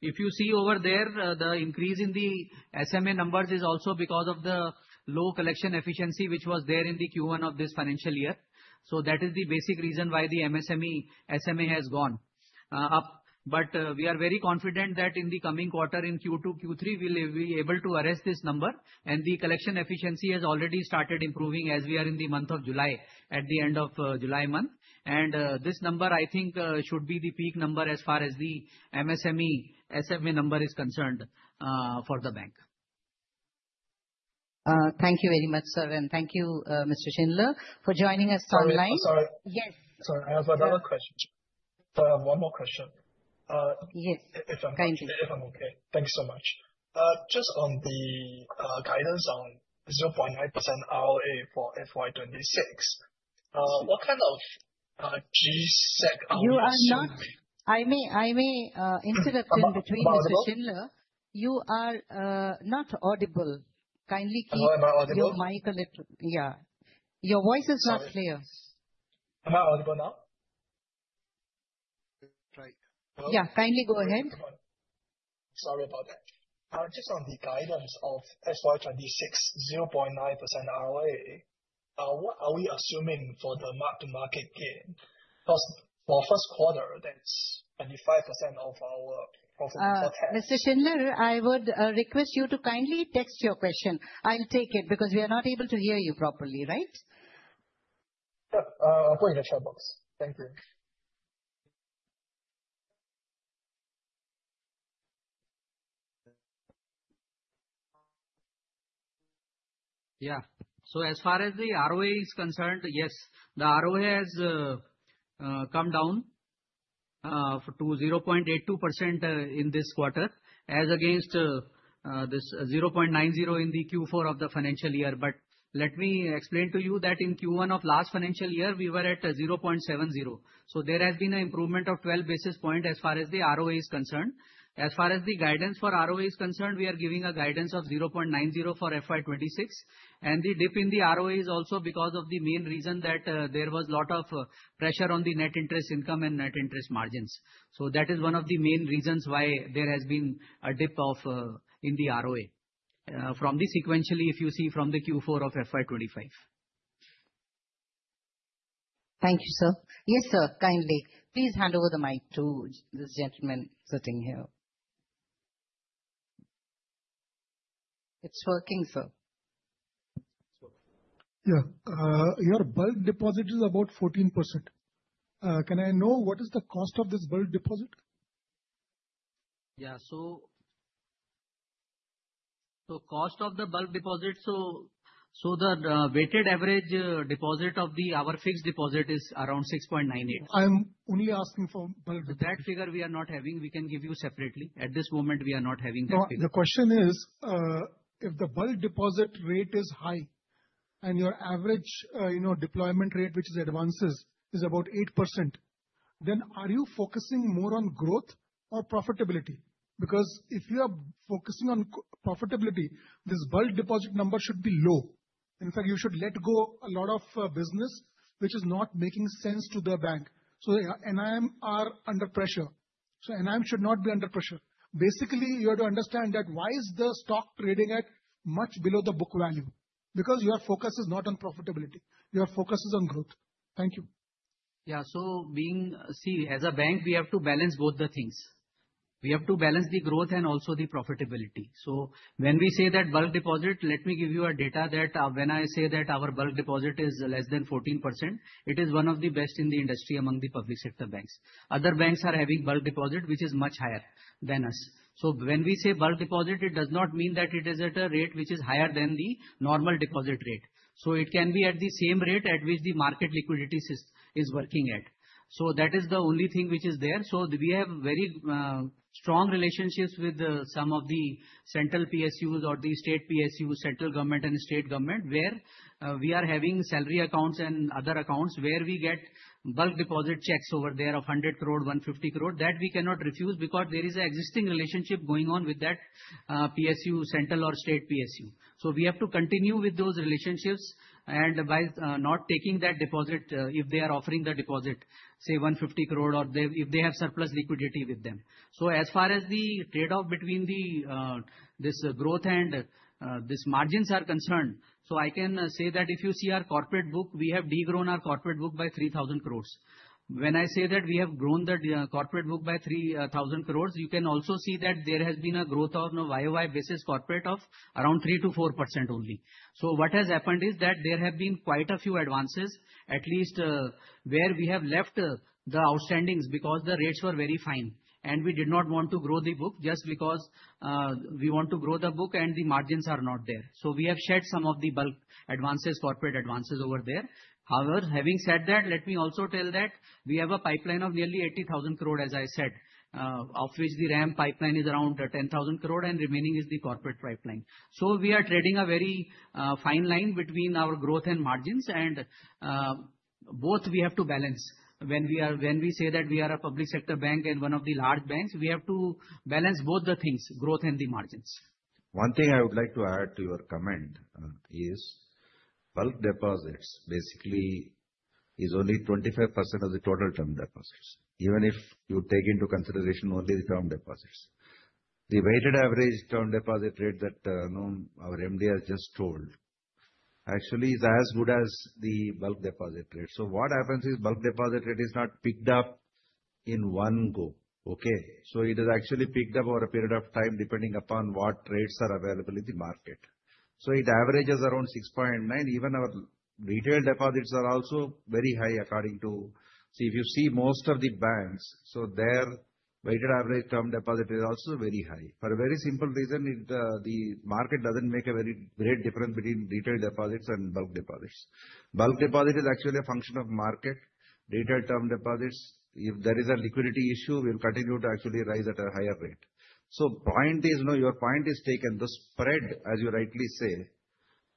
Speaker 2: If you see over there, the increase in the SMA numbers is also because of the low collection efficiency which was there in Q1 of this financial year. That is the basic reason why the MSME SMA has gone up. We are very confident that in the coming quarter, in Q2 and Q3, we will be able to arrest this number. The collection efficiency has already started improving as we are in the month of July, at the end of July month. This number, I think, should be the peak number as far as the MSME SMA number is concerned for the bank.
Speaker 1: Thank you very much, sir. Thank you, Mr. Schindler, for joining us online. Yes.
Speaker 9: I have another question. I have one more question.
Speaker 1: Yes.
Speaker 9: If I'm okay, thanks so much. Just on the guidance on 0.9% ROA for FY 2026. What kind of G-Sec [audio disortion]
Speaker 1: You are not. I may interrupt in between. Mr. Schindler, you are not audible. Kindly keep your mic a little closer. Yeah, your voice is not clear.
Speaker 9: Am I audible now? Right.
Speaker 1: Yeah, kindly go ahead.
Speaker 9: Sorry about that. Just on the guidance of FY 2026, 0.9% ROA. What are we assuming for the mark to market gain? Because for first quarter that's 25% of our profit.
Speaker 1: Mr. Schindler, I would request you to kindly text your question. I'll take it because we are not able to hear you properly. Right.
Speaker 9: [Thank you]. [audio disortion]
Speaker 2: Yeah. As far as the ROA is concerned, the ROA has come down to 0.82% in this quarter as against 0.90% in Q4 of the financial year. Let me explain to you that in Q1 of last financial year we were at 0.70%, so there has been an improvement of 12 basis points as far as the ROA is concerned. As far as the guidance for ROA is concerned, we are giving a guidance of 0.90% for FY 2026. The dip in the ROA is also because of the main reason that there was a lot of pressure on the net interest income and net interest margins. That is one of the main reasons why there has been a dip in the ROA sequentially if you see from Q4 of FY 2025.
Speaker 1: Thank you, sir. Yes, sir, kindly please hand over the mic to this gentleman sitting here. It's working, sir.
Speaker 10: Yeah. Your bulk deposit is about 14%. Can I know what is the cost of this bulk deposit?
Speaker 2: Yeah, the cost of the bulk deposit. The weighted average deposit of our fixed deposit is around 6.98%.
Speaker 10: I am only asking for bulk.
Speaker 2: That figure we are not having. We can give you separately. At this moment, we are not having that figure.
Speaker 10: The question is if the bulk deposit rate is high and your average, you know, deployment rate which is advances is about 8%, then are you focusing more on growth or profitability? Because if you are focusing on profitability, this bulk deposit number should be low. In fact, you should let go a lot of business which is not making sense to the bank. NIMs are under pressure. NIMs should not be under pressure. Basically, you have to understand that why is the stock trading at much below the book value? Because your focus is not on profitability, your focus is on growth. Thank you.
Speaker 2: Yeah. Being see as a bank, we have to balance both the things. We have to balance the growth and also the profitability. When we say that bulk deposit, let me give you a data that when I say that our bulk deposit is less than 14%. It is one of the best in the industry among the public sector banks. Other banks are having bulk deposit which is much higher than us. When we say bulk deposit, it does not mean that it is at a rate which is higher than the normal deposit rate. It can be at the same rate at which the market liquidity is working at. That is the only thing which is there. We have very strong relationships with some of the central PSUs or the state PSUs, central government and state government where we are having salary accounts and other accounts where we get bulk deposit checks over there of 100 crore, 150 crore that we cannot refuse because there is an existing relationship going on with that PSU, central or state PSU. We have to continue with those relationships and by not taking that deposit if they are offering the deposit, say 150 crore, or if they have surplus liquidity with them. As far as the trade off between this growth and these margins are concerned, I can say that if you see our corporate book, we have degrown our corporate book by 3,000 crore. When I say that we have grown the corporate book by 3,000 crore, you can also see that there has been a growth on a year-on-year basis corporate of around 3%-4% only. What has happened is that there have been quite a few advances at least where we have left the outstandings because the rates were very fine and we did not want to grow the book just because we want to grow the book and the margins are not there. We have shed some of the bulk advances, corporate advances over there. However, having said that, let me also tell that we have a pipeline of nearly 80,000 crore as I said, of which the RAM pipeline is around 10,000 crore and remaining is the corporate pipeline. We are treading a very fine line between our growth and margins. Both we have to balance. When we say that we are a public sector bank and one of the large banks, we have to balance both the things, growth and the margins.
Speaker 6: One thing I would like to add to your comment is bulk deposits basically is only 25% of the total term deposits. Even if you take into consideration only the term deposits, the weighted average term deposit rate that our MD has just told actually is as good as the bulk deposit rate. What happens is bulk deposit rate is not picked up in one go. Okay? It is actually picked up over a period of time depending upon what rates are available in the market. It averages around 6.9%. Even our retail deposits are also very high. If you see most of the banks, their weighted average term deposit is also very high for a very simple reason. The market doesn't make a very great difference between retail deposits and bulk deposits. Bulk deposit is actually a function of market data. Term deposits, if there is a liquidity issue, will continue to actually rise at a higher rate. Your point is taken. The spread, as you rightly say,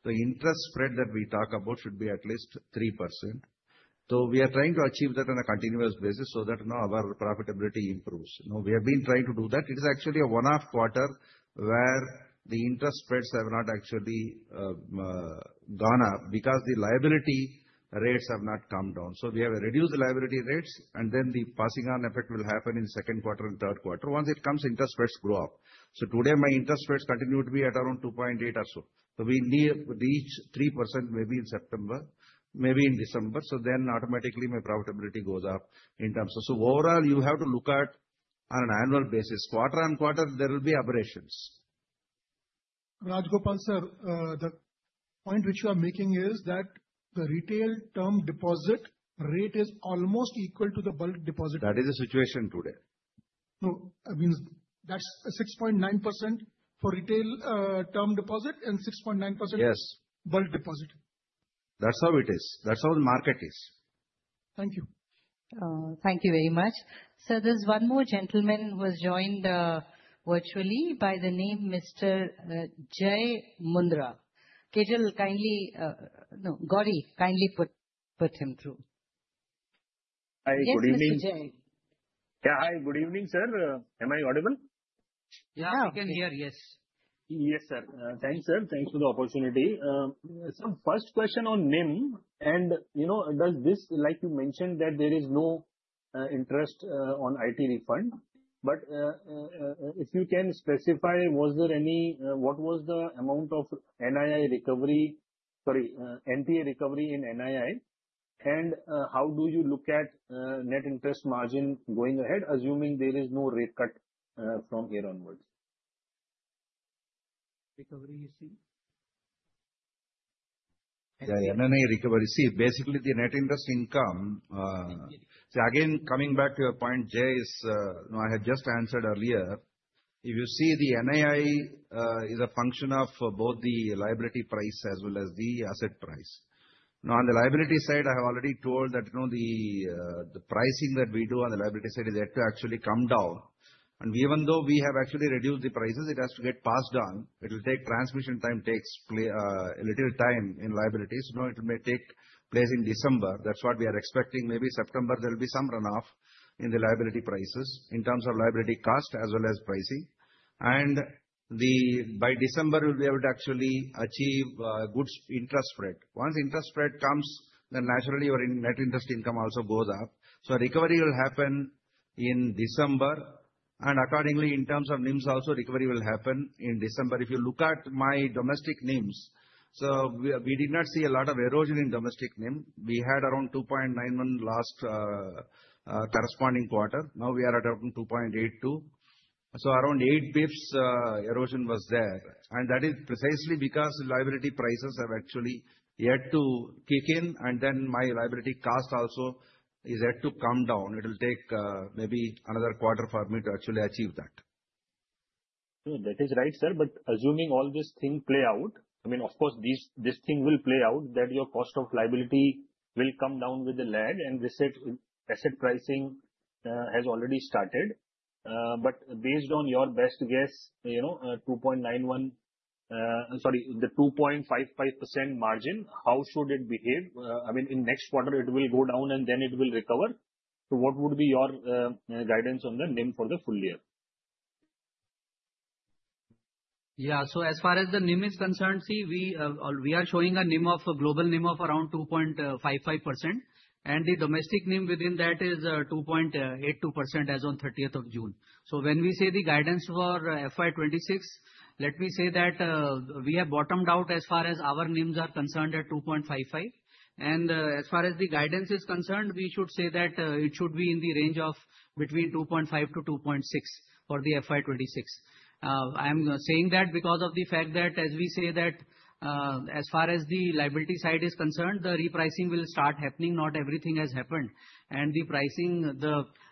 Speaker 6: the interest spread that we talk about should be at least 3%. We are trying to achieve that on a continuous basis so that our profitability improves. We have been trying to do that. It is actually a one-off quarter where the interest rates have not actually gone up because the liability rates have not come down. We have reduced the liability rates and then the passing on effect will happen in the second quarter. In the third quarter, once it comes, interest rates grow up. Today my interest rates continue to be at around 2.8% or so. We near each 3%, maybe in September, maybe in December. Then automatically my profitability goes up. Overall, you have to look at it on an annual basis. Quarter-on-quarter, there will be aberrations.
Speaker 10: The point which you are making is that the retail term deposit rate is almost equal to the bulk deposit.
Speaker 6: That is the situation today.
Speaker 10: No, I mean that's 6.9% for retail term deposit and 6.9%.
Speaker 6: Yes, bulk deposit. That's how it is. That's how the market is.
Speaker 10: Thank you.
Speaker 1: Thank you very much. There's one more gentleman who has joined virtually by the name Mr. J. Mundra. Gauri, kindly put him through.
Speaker 11: Hi, good evening.
Speaker 1: Good evening jay
Speaker 11: Yeah, hi, good evening, sir. Am I audible?
Speaker 2: Yeah, I can hear. Yes.
Speaker 11: Yes sir. Thanks sir. Thanks for the opportunity. First question on NIM and you know, you mentioned that there is no interest on IT refund, but if you can specify was there any. What was the amount of NII recovery, sorry, NPA recovery in NII and how do you look at net interest margin. Going ahead, assuming there is no rate cut from here onwards?
Speaker 2: Recovery, you see.
Speaker 6: NII recovery. See, basically the net interest income. Again, coming back to your point, J is. I had just answered earlier. If you see, the NII is a function of both the liability price as well as the asset price. Now, on the liability side, I have already told that the pricing that we do on the liability side is yet to actually come down. Even though we have actually reduced the prices, it has to get passed on. It will take transmission time, takes a little time in liabilities. It may take place in December. That's what we are expecting. Maybe September. There will be some runoff in the liability prices in terms of liability cost as well as pricing, and by December we will be able to actually achieve good interest rate. Once interest rate comes, then naturally your net interest income also goes up. Recovery will happen in December and accordingly, in terms of NIMs, also recovery will happen in December. If you look at my domestic NIMs, we did not see a lot of erosion in domestic NIM. We had around 2.91 last corresponding quarter. Now we are at around 2.82. So, around 8 bps erosion was there. That is precisely because liability prices have actually yet to kick in. My liability cost also is yet to come down. It will take maybe another quarter for me to actually achieve that.
Speaker 11: That is right, sir. Assuming all this thing play out, I mean of course this thing will play out that your cost of liability will come down with the lag. This asset pricing has already started but based on your best guess, you know, 2.91. Sorry, the 2.55% margin, how should it behave? I mean in next quarter it will go down and then it will recover. What would be your guidance on the NIM for the full year?
Speaker 2: Yeah, so as far as the NIM is concerned, see we are showing a NIM, a global NIM of around 2.55%, and the domestic NIM within that is 2.82% as on 30th of June. When we say the guidance for FY 2026, let me say that we have bottomed out as far as our NIMs are concerned at 2.55%. As far as the guidance is concerned, we should say that it should be in the range of between 2.5%-2.6% for the FY 2026. I am saying that because of the fact that as we say, as far as the liability side is concerned, the repricing will start happening. Not everything has happened, and the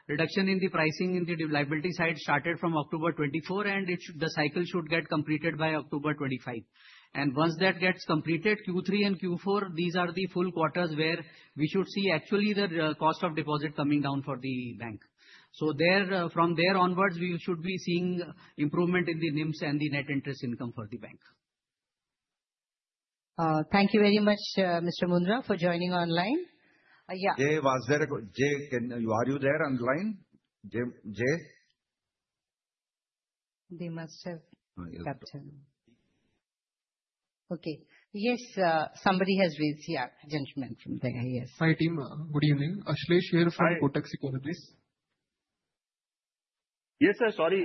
Speaker 2: reduction in the pricing in the liability side started from October 24th. The cycle should get completed by October 25th. Once that gets completed, Q3 and Q4, these are the full quarters where we should see actually the cost of deposit coming down for the bank. From there onwards, we should be seeing improvement in the NIMs and the net interest income for the bank.
Speaker 1: Thank you very much, Mr. Mundra, for joining online.
Speaker 6: Yeah, Jay, are you there online? Jay.
Speaker 1: They must have [left him]. Okay. Yes, somebody has raised here, gentlemen from there. Yes.
Speaker 12: Hi team, good evening. Ashlesh here from Kotak Economies.
Speaker 11: Yes sir. Sorry,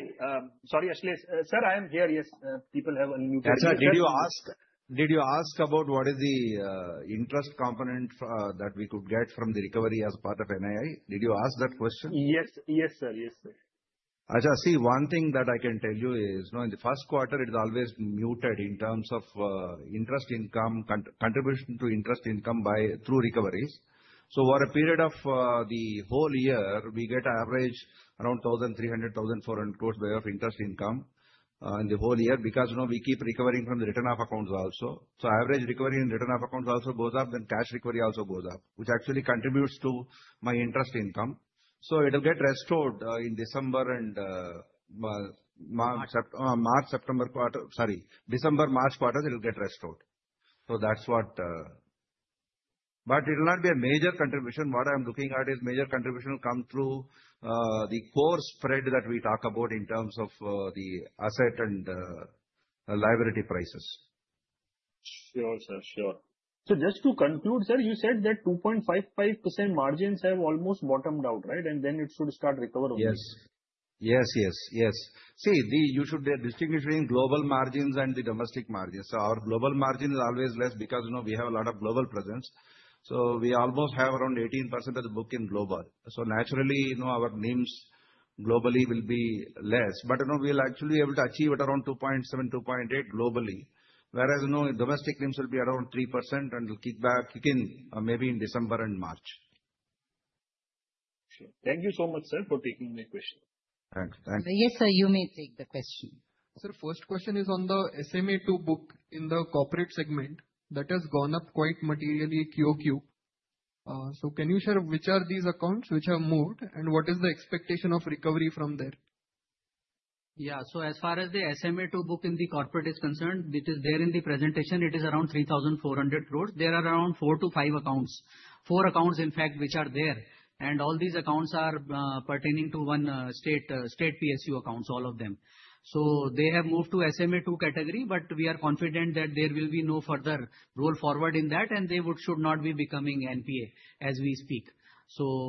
Speaker 11: sorry. Ashlesh. Sir, I am here. Yes, people have unmuted.
Speaker 6: Did you ask? Did you ask about what is the interest component that we could get from the recovery as part of NII? Did you ask that question?
Speaker 11: Yes sir. Yes sir.
Speaker 6: See, one thing that I can tell you is now in the first quarter it is always muted in terms of interest income contribution through recoveries. For a period of the whole year, we get average around 1,300- 1,400 crore of interest income in the whole year because we keep recovering from the written-off accounts also. Average recovery in written-off accounts also goes up, then cash recovery also goes up, which actually contributes to my interest income. It will get restored in December and March quarters. It will get restored. That's what. It will not be a major contribution. What I am looking at is major contribution comes through the core spread that we talk about in terms of the asset and liability prices.
Speaker 11: Sure, sir, sure. Just to conclude, sir, you said that 2.55% margins have almost bottomed out, right? It should start recovering.
Speaker 6: Yes, yes, yes. See the. You should distinguish between global margins and the domestic margins. Our global margin is always less because you know we have a lot of global presence. We almost have around 18% of the book in global. Naturally, you know our NIMs globally will be less, but you know we'll actually be able to achieve it around 2.7, 2.8 globally, whereas domestic NIMs will be around 3% and will kick in maybe in December and March.
Speaker 11: Thank you so much, sir, for taking my question.
Speaker 1: you. Thank you. Yes sir, you may take the question.
Speaker 13: Sir, first question is on the SMA2 book in the corporate segment that has gone up quite materially. So can you share which are these accounts which have moved and what is the expectation of recovery from there?
Speaker 2: Yeah. As far as the SMA2 book in the corporate is concerned, it is there in the presentation, it is around 3,400 crore. There are around 4 accounts-5 accounts, 4 accounts in fact, which are there. All these accounts are pertaining to one state, state PSU accounts, all of them. They have moved to the SMA2 category. We are confident that there will be no further roll forward in that and they should not be becoming NPA as we speak.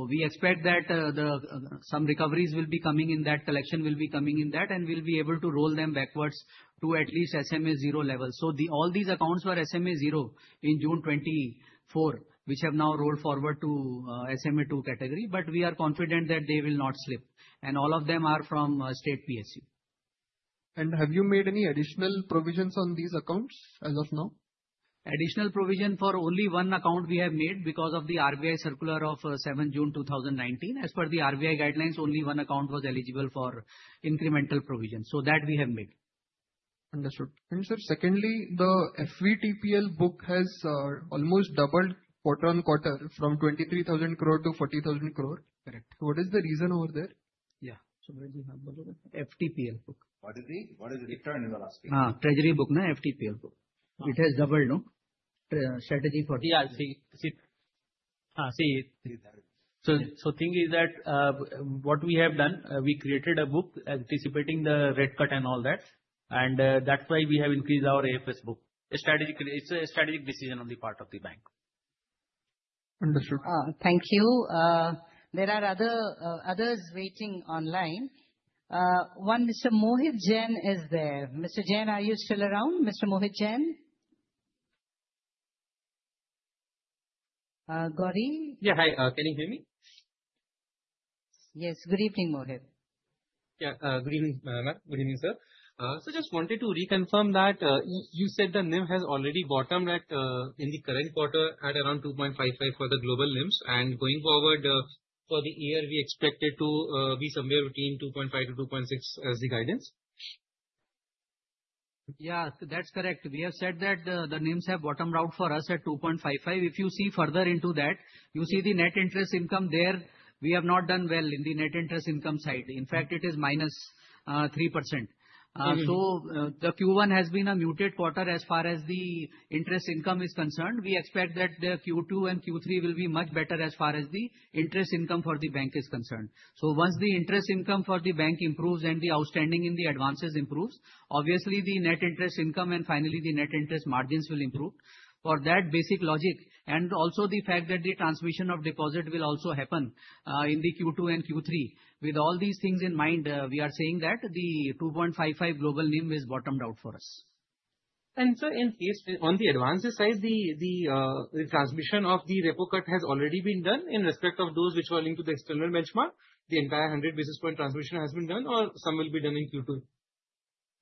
Speaker 2: We expect that some recoveries will be coming in that, collection will be coming in that, and we'll be able to roll them backwards to at least SMA0 level. All these accounts were SMA0 in June 2024, which have now rolled forward to the SMA2 category. We are confident that they will not slip and all of them are from state PSU.
Speaker 13: Have you made any additional provisions on these accounts as of now?
Speaker 2: Additional provision for only one account we have made because of the RBI circular of 7 June 2019. As per the RBI guidelines, only one account was eligible for incremental provisions. That we have made.
Speaker 13: Understood. Sir, secondly, the FVTPL book has almost doubled quarter on quarter from 23,000 crore to 40,000 crore. Correct. What is the reason over there?
Speaker 2: Yeah, FVTPL book. What is the return.In the last treasury book now, FVTPL book, it has doubled. No strategy. The thing is that what we have done, we created a book anticipating the rate cut and all that. That's why we have increased our AFS book strategically. It's a strategic decision on the part of the bank.
Speaker 13: Understood,
Speaker 1: thank you. There are others waiting online. One, Mr. Mohit Jain is there. Mr. Jain, are you still around? Mr. Mohit Jain? Gauri.
Speaker 14: Hi, can you hear me?
Speaker 1: Yes, good evening Mohit.
Speaker 14: Yeah, good evening ma'am. Good evening sir. Just wanted to reconfirm that you said the NIM has already bottomed in the current quarter at around 2.55 for the global and going forward for the year we expect it to be somewhere between 2.5-2.6 as the guidance.
Speaker 2: Yeah, that's correct. We have said that the NIMs have bottomed out for us at 2.55. If you see further into that, you see the net interest income there. We have not done well in the net interest income side. In fact, it is -3%. The Q1 has been a muted quarter as far as the interest income is concerned. We expect that Q2 and Q3 will be much better as far as the interest income for the bank is concerned. Once the interest income for the bank improves and the outstanding in the advances improves, obviously the net interest income and finally the net interest margins will improve. For that basic logic and also the fact that the transmission of deposit will also happen in Q2 and Q3, with all these things in mind we are saying that the 2.55 global NIM is bottomed out for us.
Speaker 14: In case on the advance side, the transmission of the repo cut has already been done in respect of those which were linked to the external benchmark, the entire 100 basis point transmission has been done or some will be done in Q2.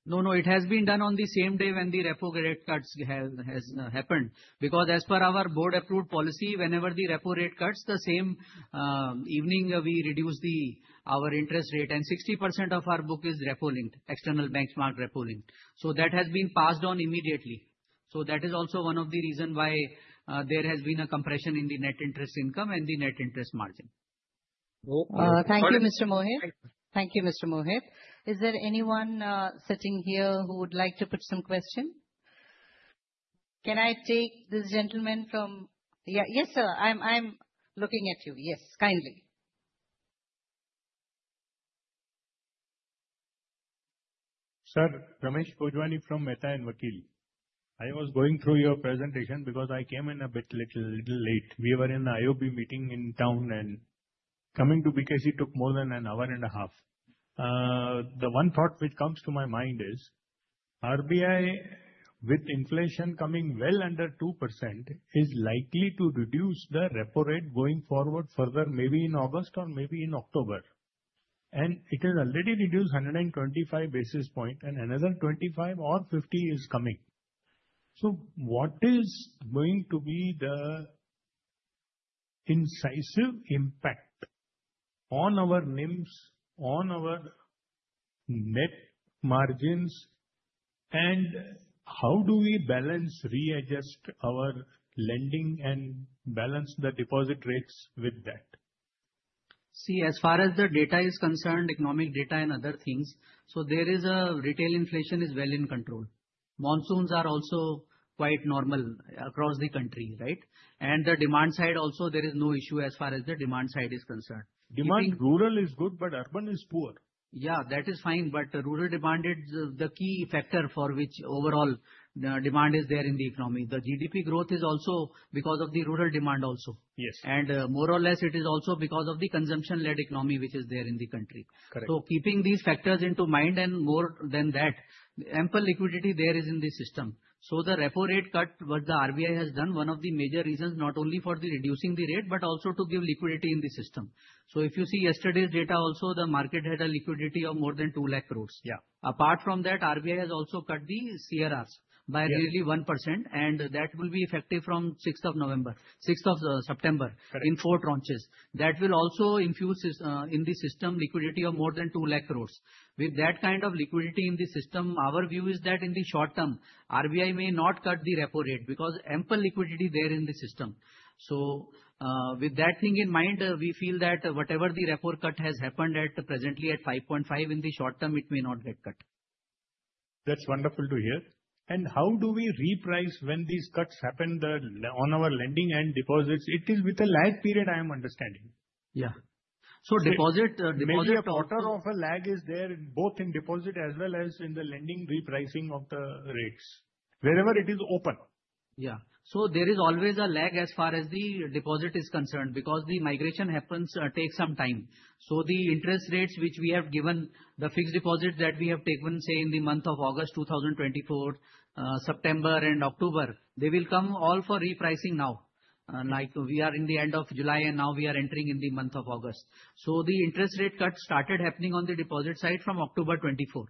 Speaker 2: No, no, it has been done on the same day when the repo rate cuts happened because as per our board-approved policy, whenever the repo rate cuts, the same evening we reduce our interest rate and 60% of our book is Repo-linked to external benchmark repo. That has been passed on immediately. That is also one of the reasons why there has been a compression in the net interest income and the net interest margin.
Speaker 1: Thank you, Mr. Mohit. Is there anyone sitting here who would like to put some question? Can I take this gentleman from—yes, sir, I'm looking at you. Yes, kindly.
Speaker 15: Ramesh Bojwani from Mehta & Vakil I was going through your presentation because I came in a little late. We were in IOB meeting in town and coming to BKC took more than an hour and a half. The one thought which comes to my mind is RBI with inflation coming well under 2% is likely to reduce the Repo rate going forward further, maybe in August or maybe in October, and it has already reduced 125 basis points and another 25 or 50 is coming. What is going to be the incisive impact on our NIMs, on our net margins, and how do we balance, readjust our lending, and balance the deposit rates with that?
Speaker 2: As far as the data is concerned, economic data and other things, retail inflation is well in control. Monsoons are also quite normal across the country. Right. There is no issue as far as the demand side is concerned.
Speaker 15: Demand in rural is good, but urban is poor.
Speaker 2: Yeah, that is fine. Rural demand is the key factor for which overall demand is there in the economy. The GDP growth is also because of the rural demand. Yes, and more or less it is also because of the consumption-led economy which is there in the country. Keeping these factors in mind and more than that, ample liquidity is there in the system. The Repo rate cut that the RBI has done is one of the major reasons not only for reducing the rate but also to give liquidity in the system. If you see yesterday's data, the market had a liquidity of more than 2 lakh crore. Apart from that, RBI has also cut the CRR by nearly 1% and that will be effective from September 6 in four tranches. That will also infuse in the system liquidity of more than 2 lakh crore. With that kind of liquidity in the system, our view is that in the short term RBI may not cut the repo rate because ample liquidity is there in the system. With that in mind, we feel that whatever the repo rate cut has happened at presently at 5.5%, in the short term it may not get cut.
Speaker 15: That's wonderful to hear. How do we reprice when these cuts happen on our lending and deposits? It is with a lag period, I am understanding.
Speaker 2: Yeah, deposit, deposit,
Speaker 15: Quarter of a lakh. Is there both in deposit as well as in the lending repricing of the rates wherever it is open?
Speaker 2: Yeah, there is always a lag as far as the deposit is concerned because the migration happens, takes some time. The interest rates which we have given, the fixed deposit that we have taken, say in the month of August 2024, September, and October, they will come all for repricing now. We are in the end of July and now we are entering in the month of August. The interest rate cut started happening on the deposit side from October 2024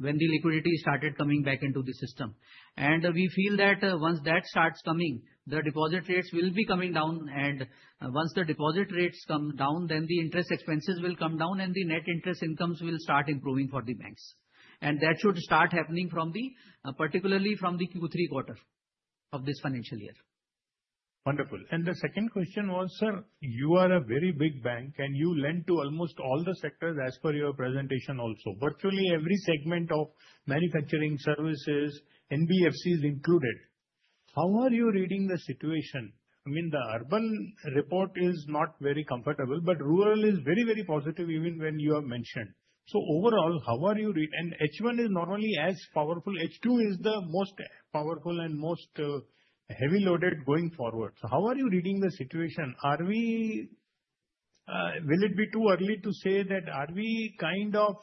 Speaker 2: when the liquidity started coming back into the system. We feel that once that starts coming, the deposit rates will be coming down, and once the deposit rates come down, then the interest expenses will come down and the net interest incomes will start improving for the banks. That should start happening particularly from the Q3 quarter of this financial year.
Speaker 15: Wonderful. The second question was, sir, you are a very big bank and you lend to almost all the sectors as per your presentation. Also, virtually every segment of manufacturing, services, NBFC is included. How are you reading the situation? I mean, the urban report is not very comfortable, but rural is very, very positive, even when you have mentioned. Overall, how are you read? H1 is not only as powerful, H2 is the most powerful and most heavy loaded going forward. How are you reading the situation? Will it be too early to say that? Are we kind of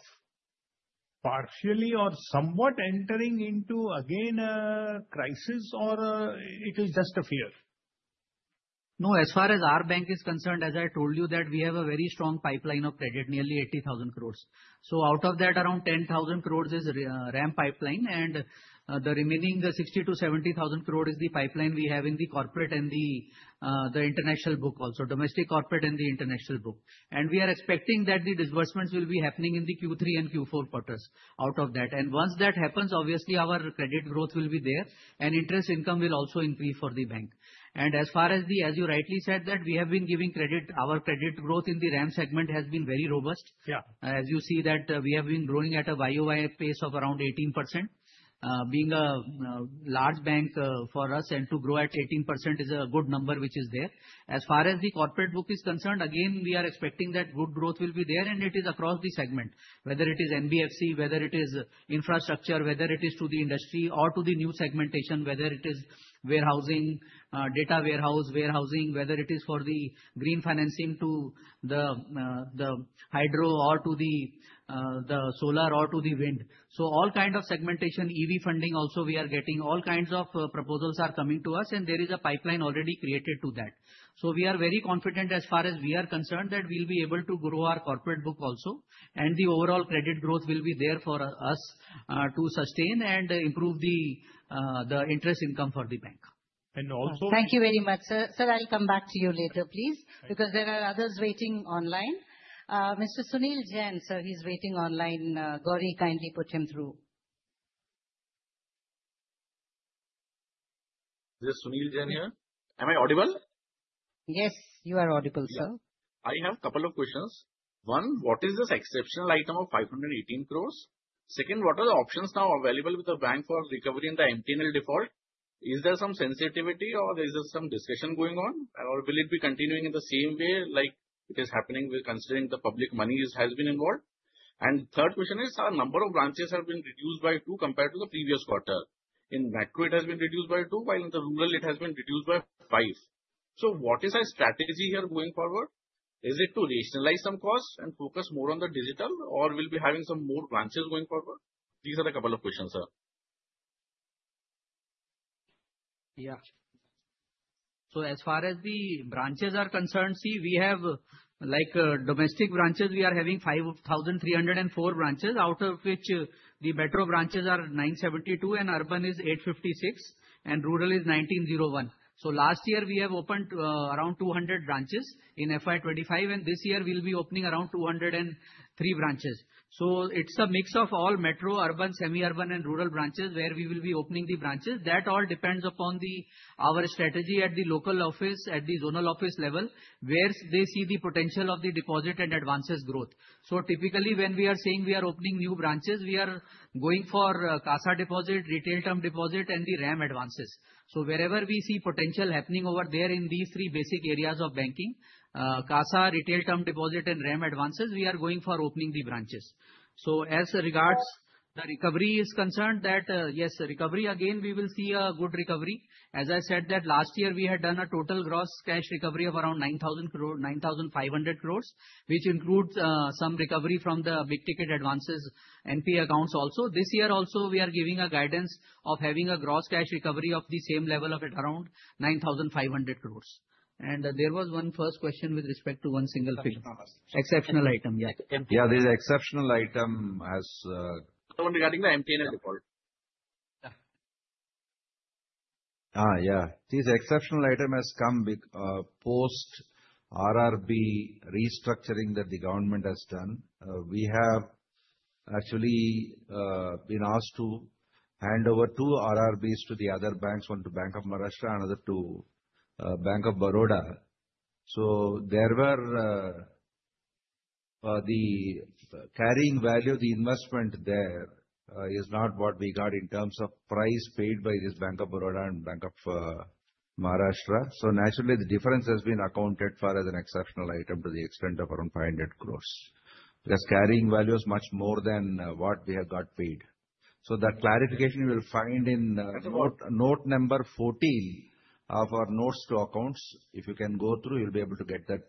Speaker 15: partially or somewhat entering into again a crisis, or is it just a fear?
Speaker 2: No. As far as our bank is concerned, as I told you that we have a very strong pipeline of credit, nearly 80,000 crore. Out of that, around 10,000 crore is RAM pipeline and the remaining 60,000- 70,000 crore is the pipeline we have in the corporate and the international book, also domestic corporate and the international book. We are expecting that the disbursements will be happening in the Q3 and Q4 quarters out of that. Once that happens, obviously our credit growth will be there and interest income will also increase for the bank. As far as the, as you rightly said, we have been giving credit, our credit growth in the RAM segment has been very robust as you see that we have been growing at a YoY pace of around 18%. Being a large bank, for us to grow at 18% is a good number. As far as the corporate book is concerned, again we are expecting that good growth will be there and it is across the segment, whether it is NBFC, whether it is infrastructure, whether it is to the industry or to the new segmentation, whether it is warehousing, data warehouse warehousing, whether it is for the green financing to the hydro or to the solar or to the wind. All kinds of segmentation, EV funding also, we are getting all kinds of proposals are coming to us and there is a pipeline already created to that. We are very confident as far as we are concerned that we will be able to grow our corporate book also and the overall credit growth will be there for us to sustain and improve the interest income for the bank.
Speaker 15: And also.
Speaker 1: Thank you very much, sir. I will come back to you later, please, because there are others waiting online. Mr. Sunil Jain, sir, he's waiting online. Gauri, kindly put him through.
Speaker 16: Am I audible?
Speaker 1: Yes, you are audible, Sir.
Speaker 16: I have a couple of questions. One, what is this exceptional item of 518 crore? Second, what are the options now available with the bank for recovery in the MTNL default? Is there some sensitivity or is there some discussion going on or will it be continuing in the same way like it is happening? Considering the public money has been involved. Third question is our number of branches have been reduced by 2 compared to the previous quarter. In metro it has been reduced by 2 while in the rural it has been reduced by 5. What is our strategy here going forward? Is it to rationalize some costs? Focus more on the digital or will be having some more branches going forward? These are a couple of questions, sir.
Speaker 2: Yeah. As far as the branches are concerned, we have domestic branches; we are having 5,304 branches, out of which the metro branches are 972, urban is 856, and rural is 1,901. Last year we have opened around 200 branches in FY2025, and this year we'll be opening around 203 branches. It's a mix of all metro, urban, semi-urban, and rural branches where we will be opening the branches. That all depends upon our strategy at the local office, at the zonal office level, where they see the potential of the deposit and advances growth. Typically, when we are saying we are opening new branches, we are going for CASA deposit, retail, term deposit, and the RAM advances. Wherever we see potential happening over there in these three basic areas of banking—CASA, retail, term deposit, and RAM advances—we are going for opening the branches. As regards the recovery, yes, recovery again, we will see a good recovery. As I said, last year we had done a total gross cash recovery of around 9,500 crore, which includes some recovery from the big ticket advances NPA accounts. This year also we are giving a guidance of having a gross cash recovery of the same level at around 9,500 crore. There was one first question with respect to one single figure. Exceptional item.
Speaker 6: Yeah, this exceptional item as
Speaker 16: Someone regarding the MTNs default.
Speaker 6: This exceptional item has come post RRB restructuring that the government has done. We have actually been asked to hand over two RRBs to the other banks, one to Bank of Maharashtra, another to Bank of Baroda. The carrying value, the investment there is not what we got in terms of price paid by Bank of Baroda and Bank of Maharashtra. Naturally, the difference has been accounted for as an exceptional item to the extent of around 500 crore. This carrying value is much more than what we have got paid. That clarification you will find in note number 14 of our notes to accounts. If you can go through, you'll be able to get that.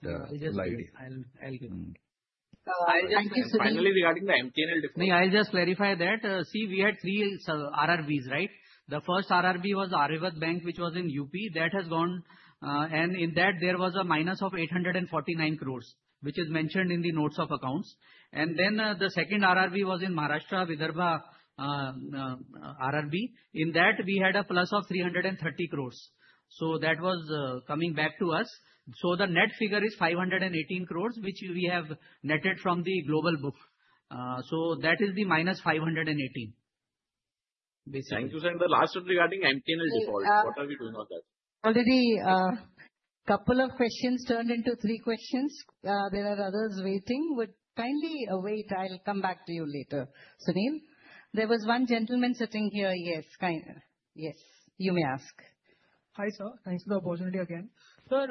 Speaker 16: Finally, regarding the MTNL, I'll just clarify that. See, we had three RRBs, right? The first RRB was Aryavart Bank, which was in UP. That has gone, and in that there was a minus of 849 crore, which is mentioned in the notes of accounts. The second RRB was in Maharashtra, Vidarbha RRB. In that, we had a plus of 330 crore, so that was coming back to us. The net figure is 518 crore, which we have netted from the global book. That is the -518 crore. Thank you, sir. The last one regarding MTNL default, what are we doing on that already?
Speaker 1: Couple of questions turned into three questions. There are others waiting. Would kindly wait. I'll come back to you later. Sunil, there was one gentleman sitting here. Yes, kind of. Yes, you may ask.
Speaker 17: Hi sir. Thanks for the opportunity again, sir.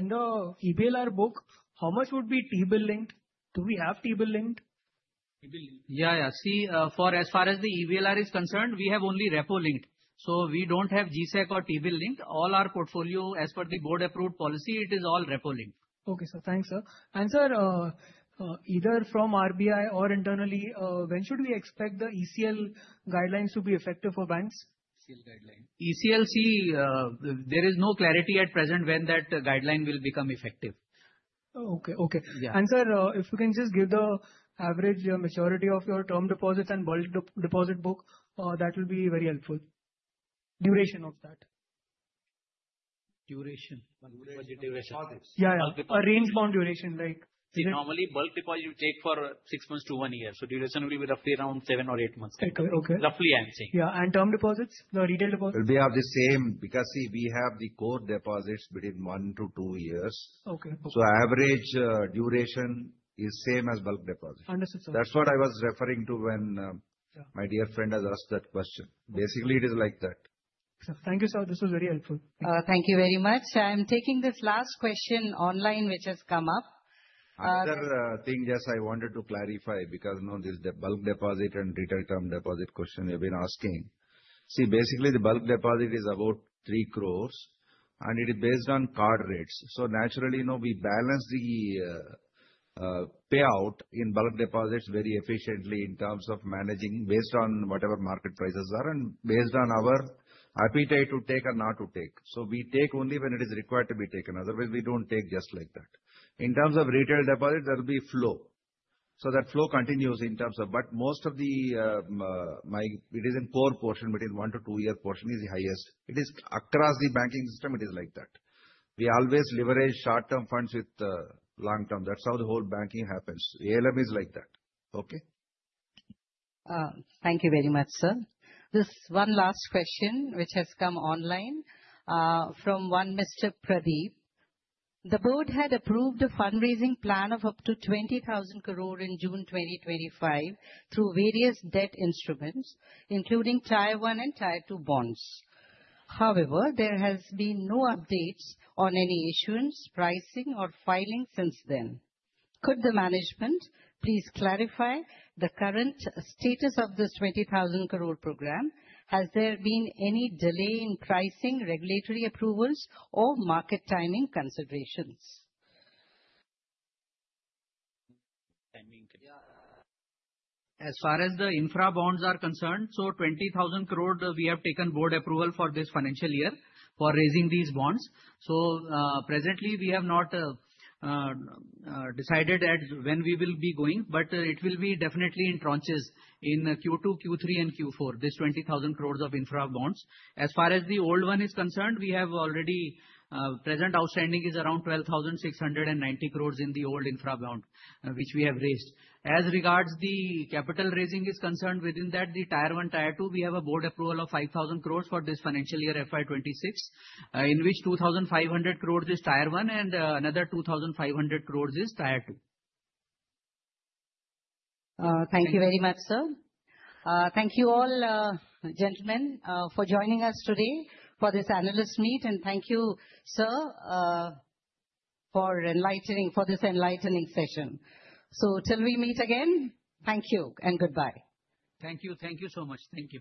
Speaker 17: In the EBLR book, how much would be T-bill linked? Do we have T-Bill linked?
Speaker 2: Yeah, see, as far as the EBLR is concerned, we have only repo linked. We don't have G Sec or T-Bill linked. All our portfolio, as per the board approved policy, is all repo linked.
Speaker 17: Okay, thanks sir. Answer either from RBI or internally when Should we expect the eclipse guidelines to. Be effective for banks?
Speaker 2: ECLC? There is no clarity at present when that guideline will become effective.
Speaker 17: Okay. Yeah, answer if you can just give the average maturity of your term deposit. The bulk deposit book will be very helpful. Duration of that
Speaker 2: duration? Yeah, a range bound duration like normally bulk deposit you take for six months to one year. The duration will be roughly around seven or eight months. Okay, roughly I'm saying.
Speaker 17: Yeah, term deposits, no detail about will.
Speaker 6: Be of the same because see we have the core deposits between one to two years. Okay, so average duration is same as bulk deposit. That's what I was referring to when my dear friend has asked that question. Basically, it is like that.
Speaker 17: Thank you sir, this was very helpful.
Speaker 1: Thank you very much. I'm taking this last question online. Which has come up.
Speaker 6: Another thing. Yes. I wanted to clarify because this bulk deposit and retail term deposit question you've been asking. See, basically the bulk deposit is about 3 crore and it is based on card rates. Naturally, we balance the payout in bulk deposits very efficiently in terms of managing based on whatever market prices are and based on our appetite to take or not to take. We take only when it is required to be taken. Otherwise, we don't take just like that. In terms of retail deposit, there will be flow, so that flow continues. Most of mine is in poor portion. Between one year-two year portion is the highest. It is across the banking system. It is like that. We always leverage short term funds with long term. That's how the whole banking happens. ALM is like that.
Speaker 1: Okay, thank you very much sir. This one last question which has come online from one Mr. Pradeep, the board had approved a fundraising plan of up to 20,000 crore in June 2025 through various debt instruments including Tier 1 and Tier 2 bonds. However, there has been no updates on any issuance, pricing, or filing since then. Could the management please clarify the current status of this 20,000 crore program? Has there been any delay in pricing, regulatory approvals, or market timing considerations?
Speaker 2: As far as the infra bonds are concerned, 20,000 crore. We have taken board approval for this financial year for raising these bonds. Presently, we have not decided when we will be going, but it will be definitely in tranches in Q2, Q3, and Q4. This 20,000 crore of infra bonds, as far as the old one is concerned, we have already present outstanding is around 12,690 crore in the old infra bond which we have raised. As regards the capital raising is concerned within that, the Tier 1, Tier 2. We have a board approval of 5,000 crore for this financial year FY 2026 in which 2,500 crore is Tier 1 and another 2,500 crore is Tier 2.
Speaker 1: Thank you very much, sir. Thank you all gentlemen for joining us today for this analyst meet, and thank you, sir, for enlightening us with this enlightening session. Till we meet again, thank you and goodbye.
Speaker 2: Thank you. Thank you so much. Thank you.